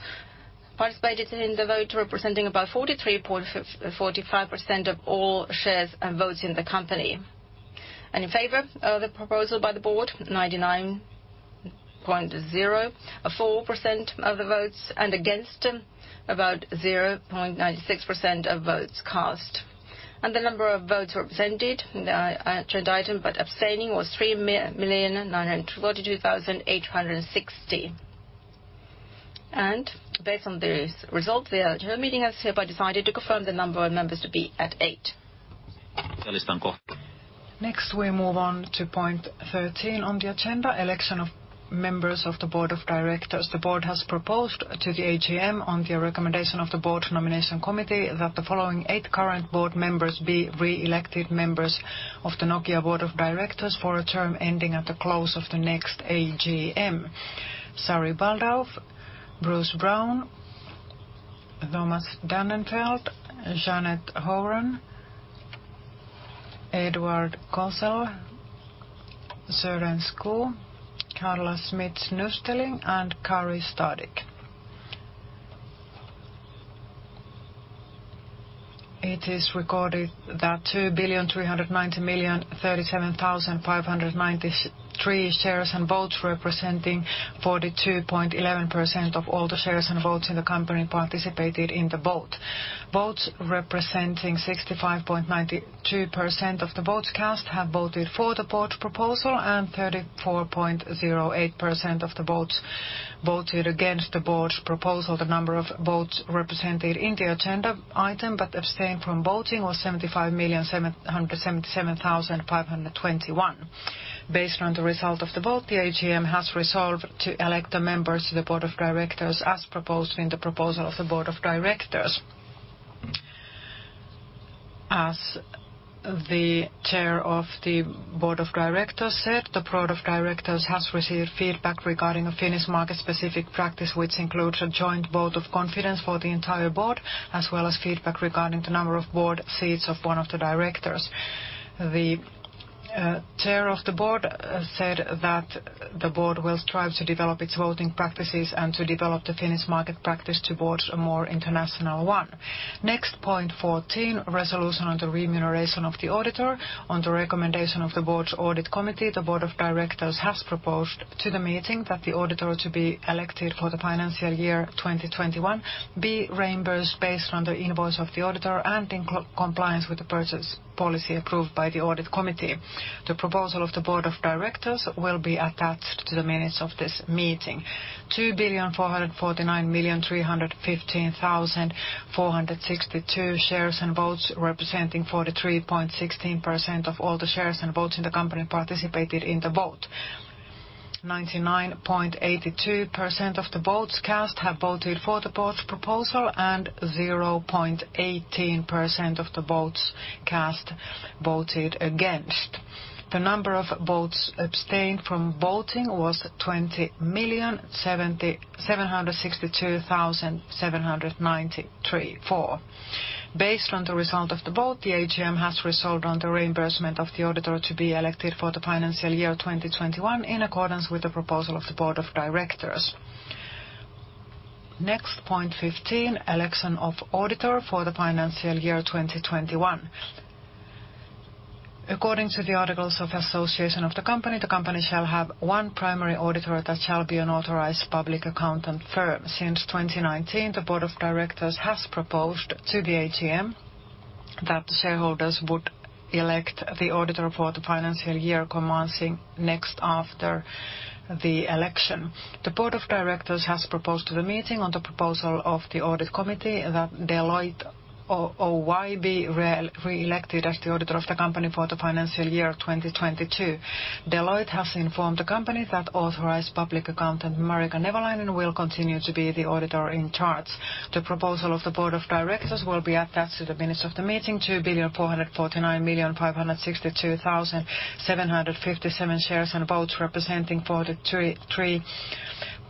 participated in the vote, representing about 43.45% of all shares and votes in the company. In favor of the proposal by the board, 99.04% of the votes and against, about 0.96% of votes cast. The number of votes represented in the agenda item, but abstaining was 3,942,860. Based on this result, the general meeting has hereby decided to confirm the number of members to be at eight. Next, we move on to point 13 on the agenda, election of members of the board of directors. The board has proposed to the AGM on the recommendation of the Board Nomination Committee that the following eight current board members be re-elected members of the Nokia Board of Directors for a term ending at the close of the next AGM. Sari Baldauf, Bruce Brown, Thomas Dannenfeldt, Jeanette Horan, Edward Kozel, Søren Skou, Carla Smits-Nusteling, and Kari Stadigh. It is recorded that 2,390,037,593 shares and votes, representing 42.11% of all the shares and votes in the company participated in the vote. Votes representing 65.92% of the votes cast have voted for the board proposal, and 34.08% of the votes voted against the board proposal. The number of votes represented in the agenda item, but abstained from voting was 75,777,521. Based on the result of the vote, the AGM has resolved to elect the members of the board of directors as proposed in the proposal of the board of directors. As the chair of the board of directors said, the board of directors has received feedback regarding a Finnish market-specific practice, which includes a joint vote of confidence for the entire board, as well as feedback regarding the number of board seats of one of the directors. The chair of the board said that the board will strive to develop its voting practices and to develop the Finnish market practice towards a more international one. Next, point 14, resolution on the remuneration of the auditor. On the recommendation of the board's Audit Committee, the board of directors has proposed to the meeting that the auditor to be elected for the financial year 2021 be reimbursed based on the invoice of the auditor and in compliance with the purchase policy approved by the Audit Committee. The proposal of the board of directors will be attached to the minutes of this meeting. 2,449,315,462 shares and votes, representing 43.16% of all the shares and votes in the company participated in the vote. 99.82% of the votes cast have voted for the board's proposal, and 0.18% of the votes cast voted against. The number of votes abstained from voting was 20,762,794. Based on the result of the vote, the AGM has resolved on the reimbursement of the auditor to be elected for the financial year 2021, in accordance with the proposal of the board of directors. Point 15, election of auditor for the financial year 2021. According to the articles of association of the company, the company shall have one primary auditor that shall be an authorized public accountant firm. Since 2019, the board of directors has proposed to the AGM that the shareholders would elect the auditor for the financial year commencing next after the election. The board of directors has proposed to the meeting on the proposal of the Audit Committee that Deloitte Oy be reelected as the auditor of the company for the financial year 2022. Deloitte has informed the company that Authorized Public Accountant Marika Nevalainen will continue to be the auditor in charge. The proposal of the board of directors will be attached to the minutes of the meeting. 2,449,562,757 shares and votes representing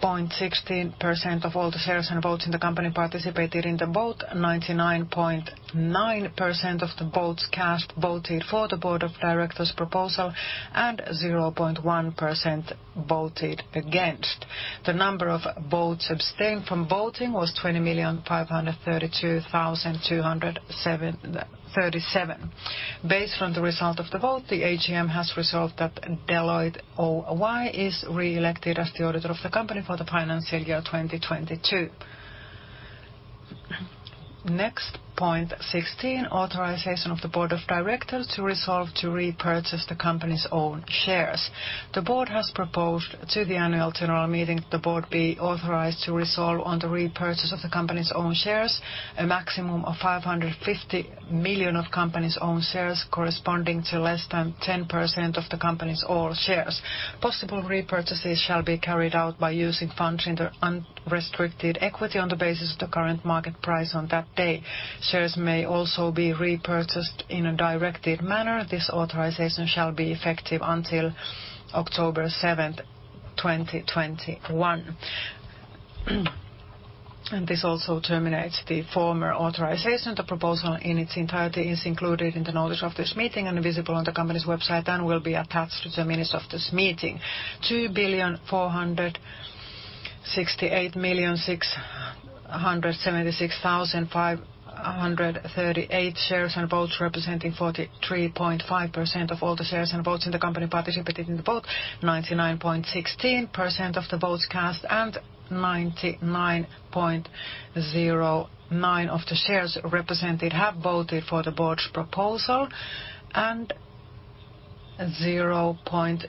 43.16% of all the shares and votes in the company participated in the vote. 99.9% of the votes cast voted for the board of directors' proposal, and 0.1% voted against. The number of votes abstained from voting was 20,532,237. Based on the result of the vote, the AGM has resolved that Deloitte Oy is reelected as the auditor of the company for the financial year 2022. Point 16, authorization of the board of directors to resolve to repurchase the company's own shares. The board has proposed to the annual general meeting that the board be authorized to resolve on the repurchase of the company's own shares, a maximum of 550 million of company's own shares corresponding to less than 10% of the company's all shares. Possible repurchases shall be carried out by using funds in the unrestricted equity on the basis of the current market price on that day. Shares may also be repurchased in a directed manner. This authorization shall be effective until October 7th, 2021. This also terminates the former authorization. The proposal in its entirety is included in the notice of this meeting and visible on the company's website and will be attached to the minutes of this meeting. 2,468,676,538 shares and votes representing 43.5% of all the shares and votes in the company participated in the vote, 99.16% of the votes cast and 99.09% of the shares represented have voted for the board's proposal, and 0.84%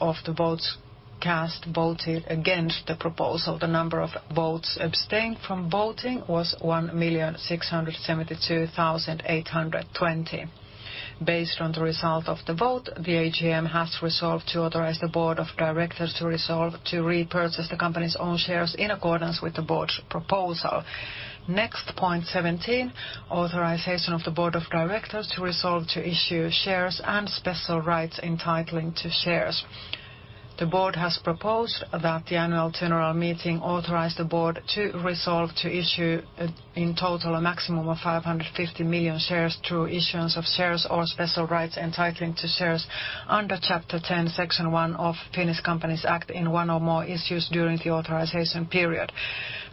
of the votes cast voted against the proposal. The number of votes abstained from voting was 1,672,820. Based on the result of the vote, the AGM has resolved to authorize the board of directors to resolve to repurchase the company's own shares in accordance with the board's proposal. Next, point 17, authorization of the board of directors to resolve to issue shares and special rights entitling to shares. The board has proposed that the annual general meeting authorize the board to resolve to issue in total a maximum of 550 million shares through issuance of shares or special rights entitling to shares under Chapter 10, Section 1 of Finnish Companies Act in one or more issues during the authorization period.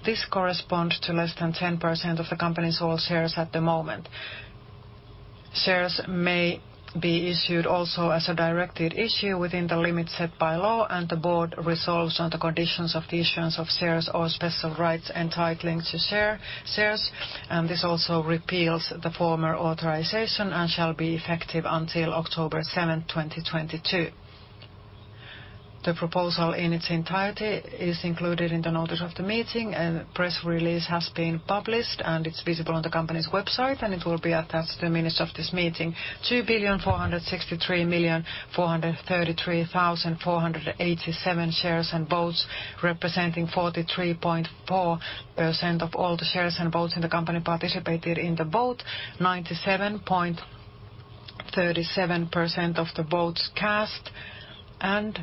This corresponds to less than 10% of the company's all shares at the moment. Shares may be issued also as a directed issue within the limits set by law. The board resolves on the conditions of the issuance of shares or special rights entitling to shares. This also repeals the former authorization and shall be effective until October 7th, 2022. The proposal in its entirety is included in the notice of the meeting, and press release has been published, and it is visible on the company's website, and it will be attached to the minutes of this meeting. 2,463,433,487 shares and votes representing 43.4% of all the shares and votes in the company participated in the vote, 97.37% of the votes cast and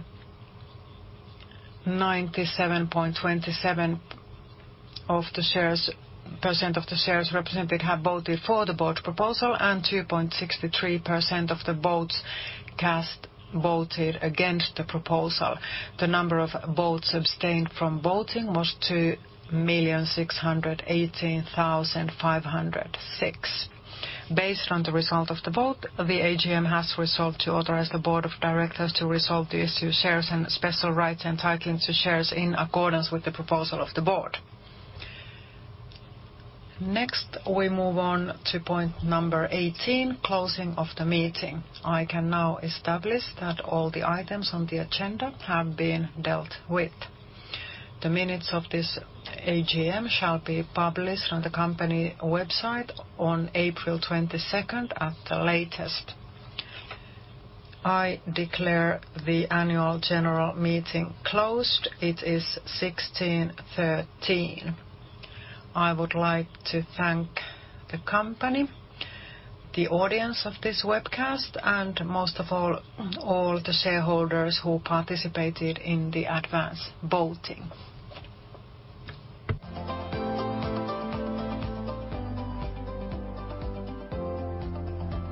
97.27% of the shares represented have voted for the board proposal and 2.63% of the votes cast voted against the proposal. The number of votes abstained from voting was 2,618,506. Based on the result of the vote, the AGM has resolved to authorize the board of directors to resolve the issue of shares and special rights entitling to shares in accordance with the proposal of the board. Next, we move on to point number 18, closing of the meeting. I can now establish that all the items on the agenda have been dealt with. The minutes of this AGM shall be published on the company website on April 22nd at the latest. I declare the annual general meeting closed. It is 4:13 P.M. I would like to thank the company, the audience of this webcast, and most of all the shareholders who participated in the advanced voting.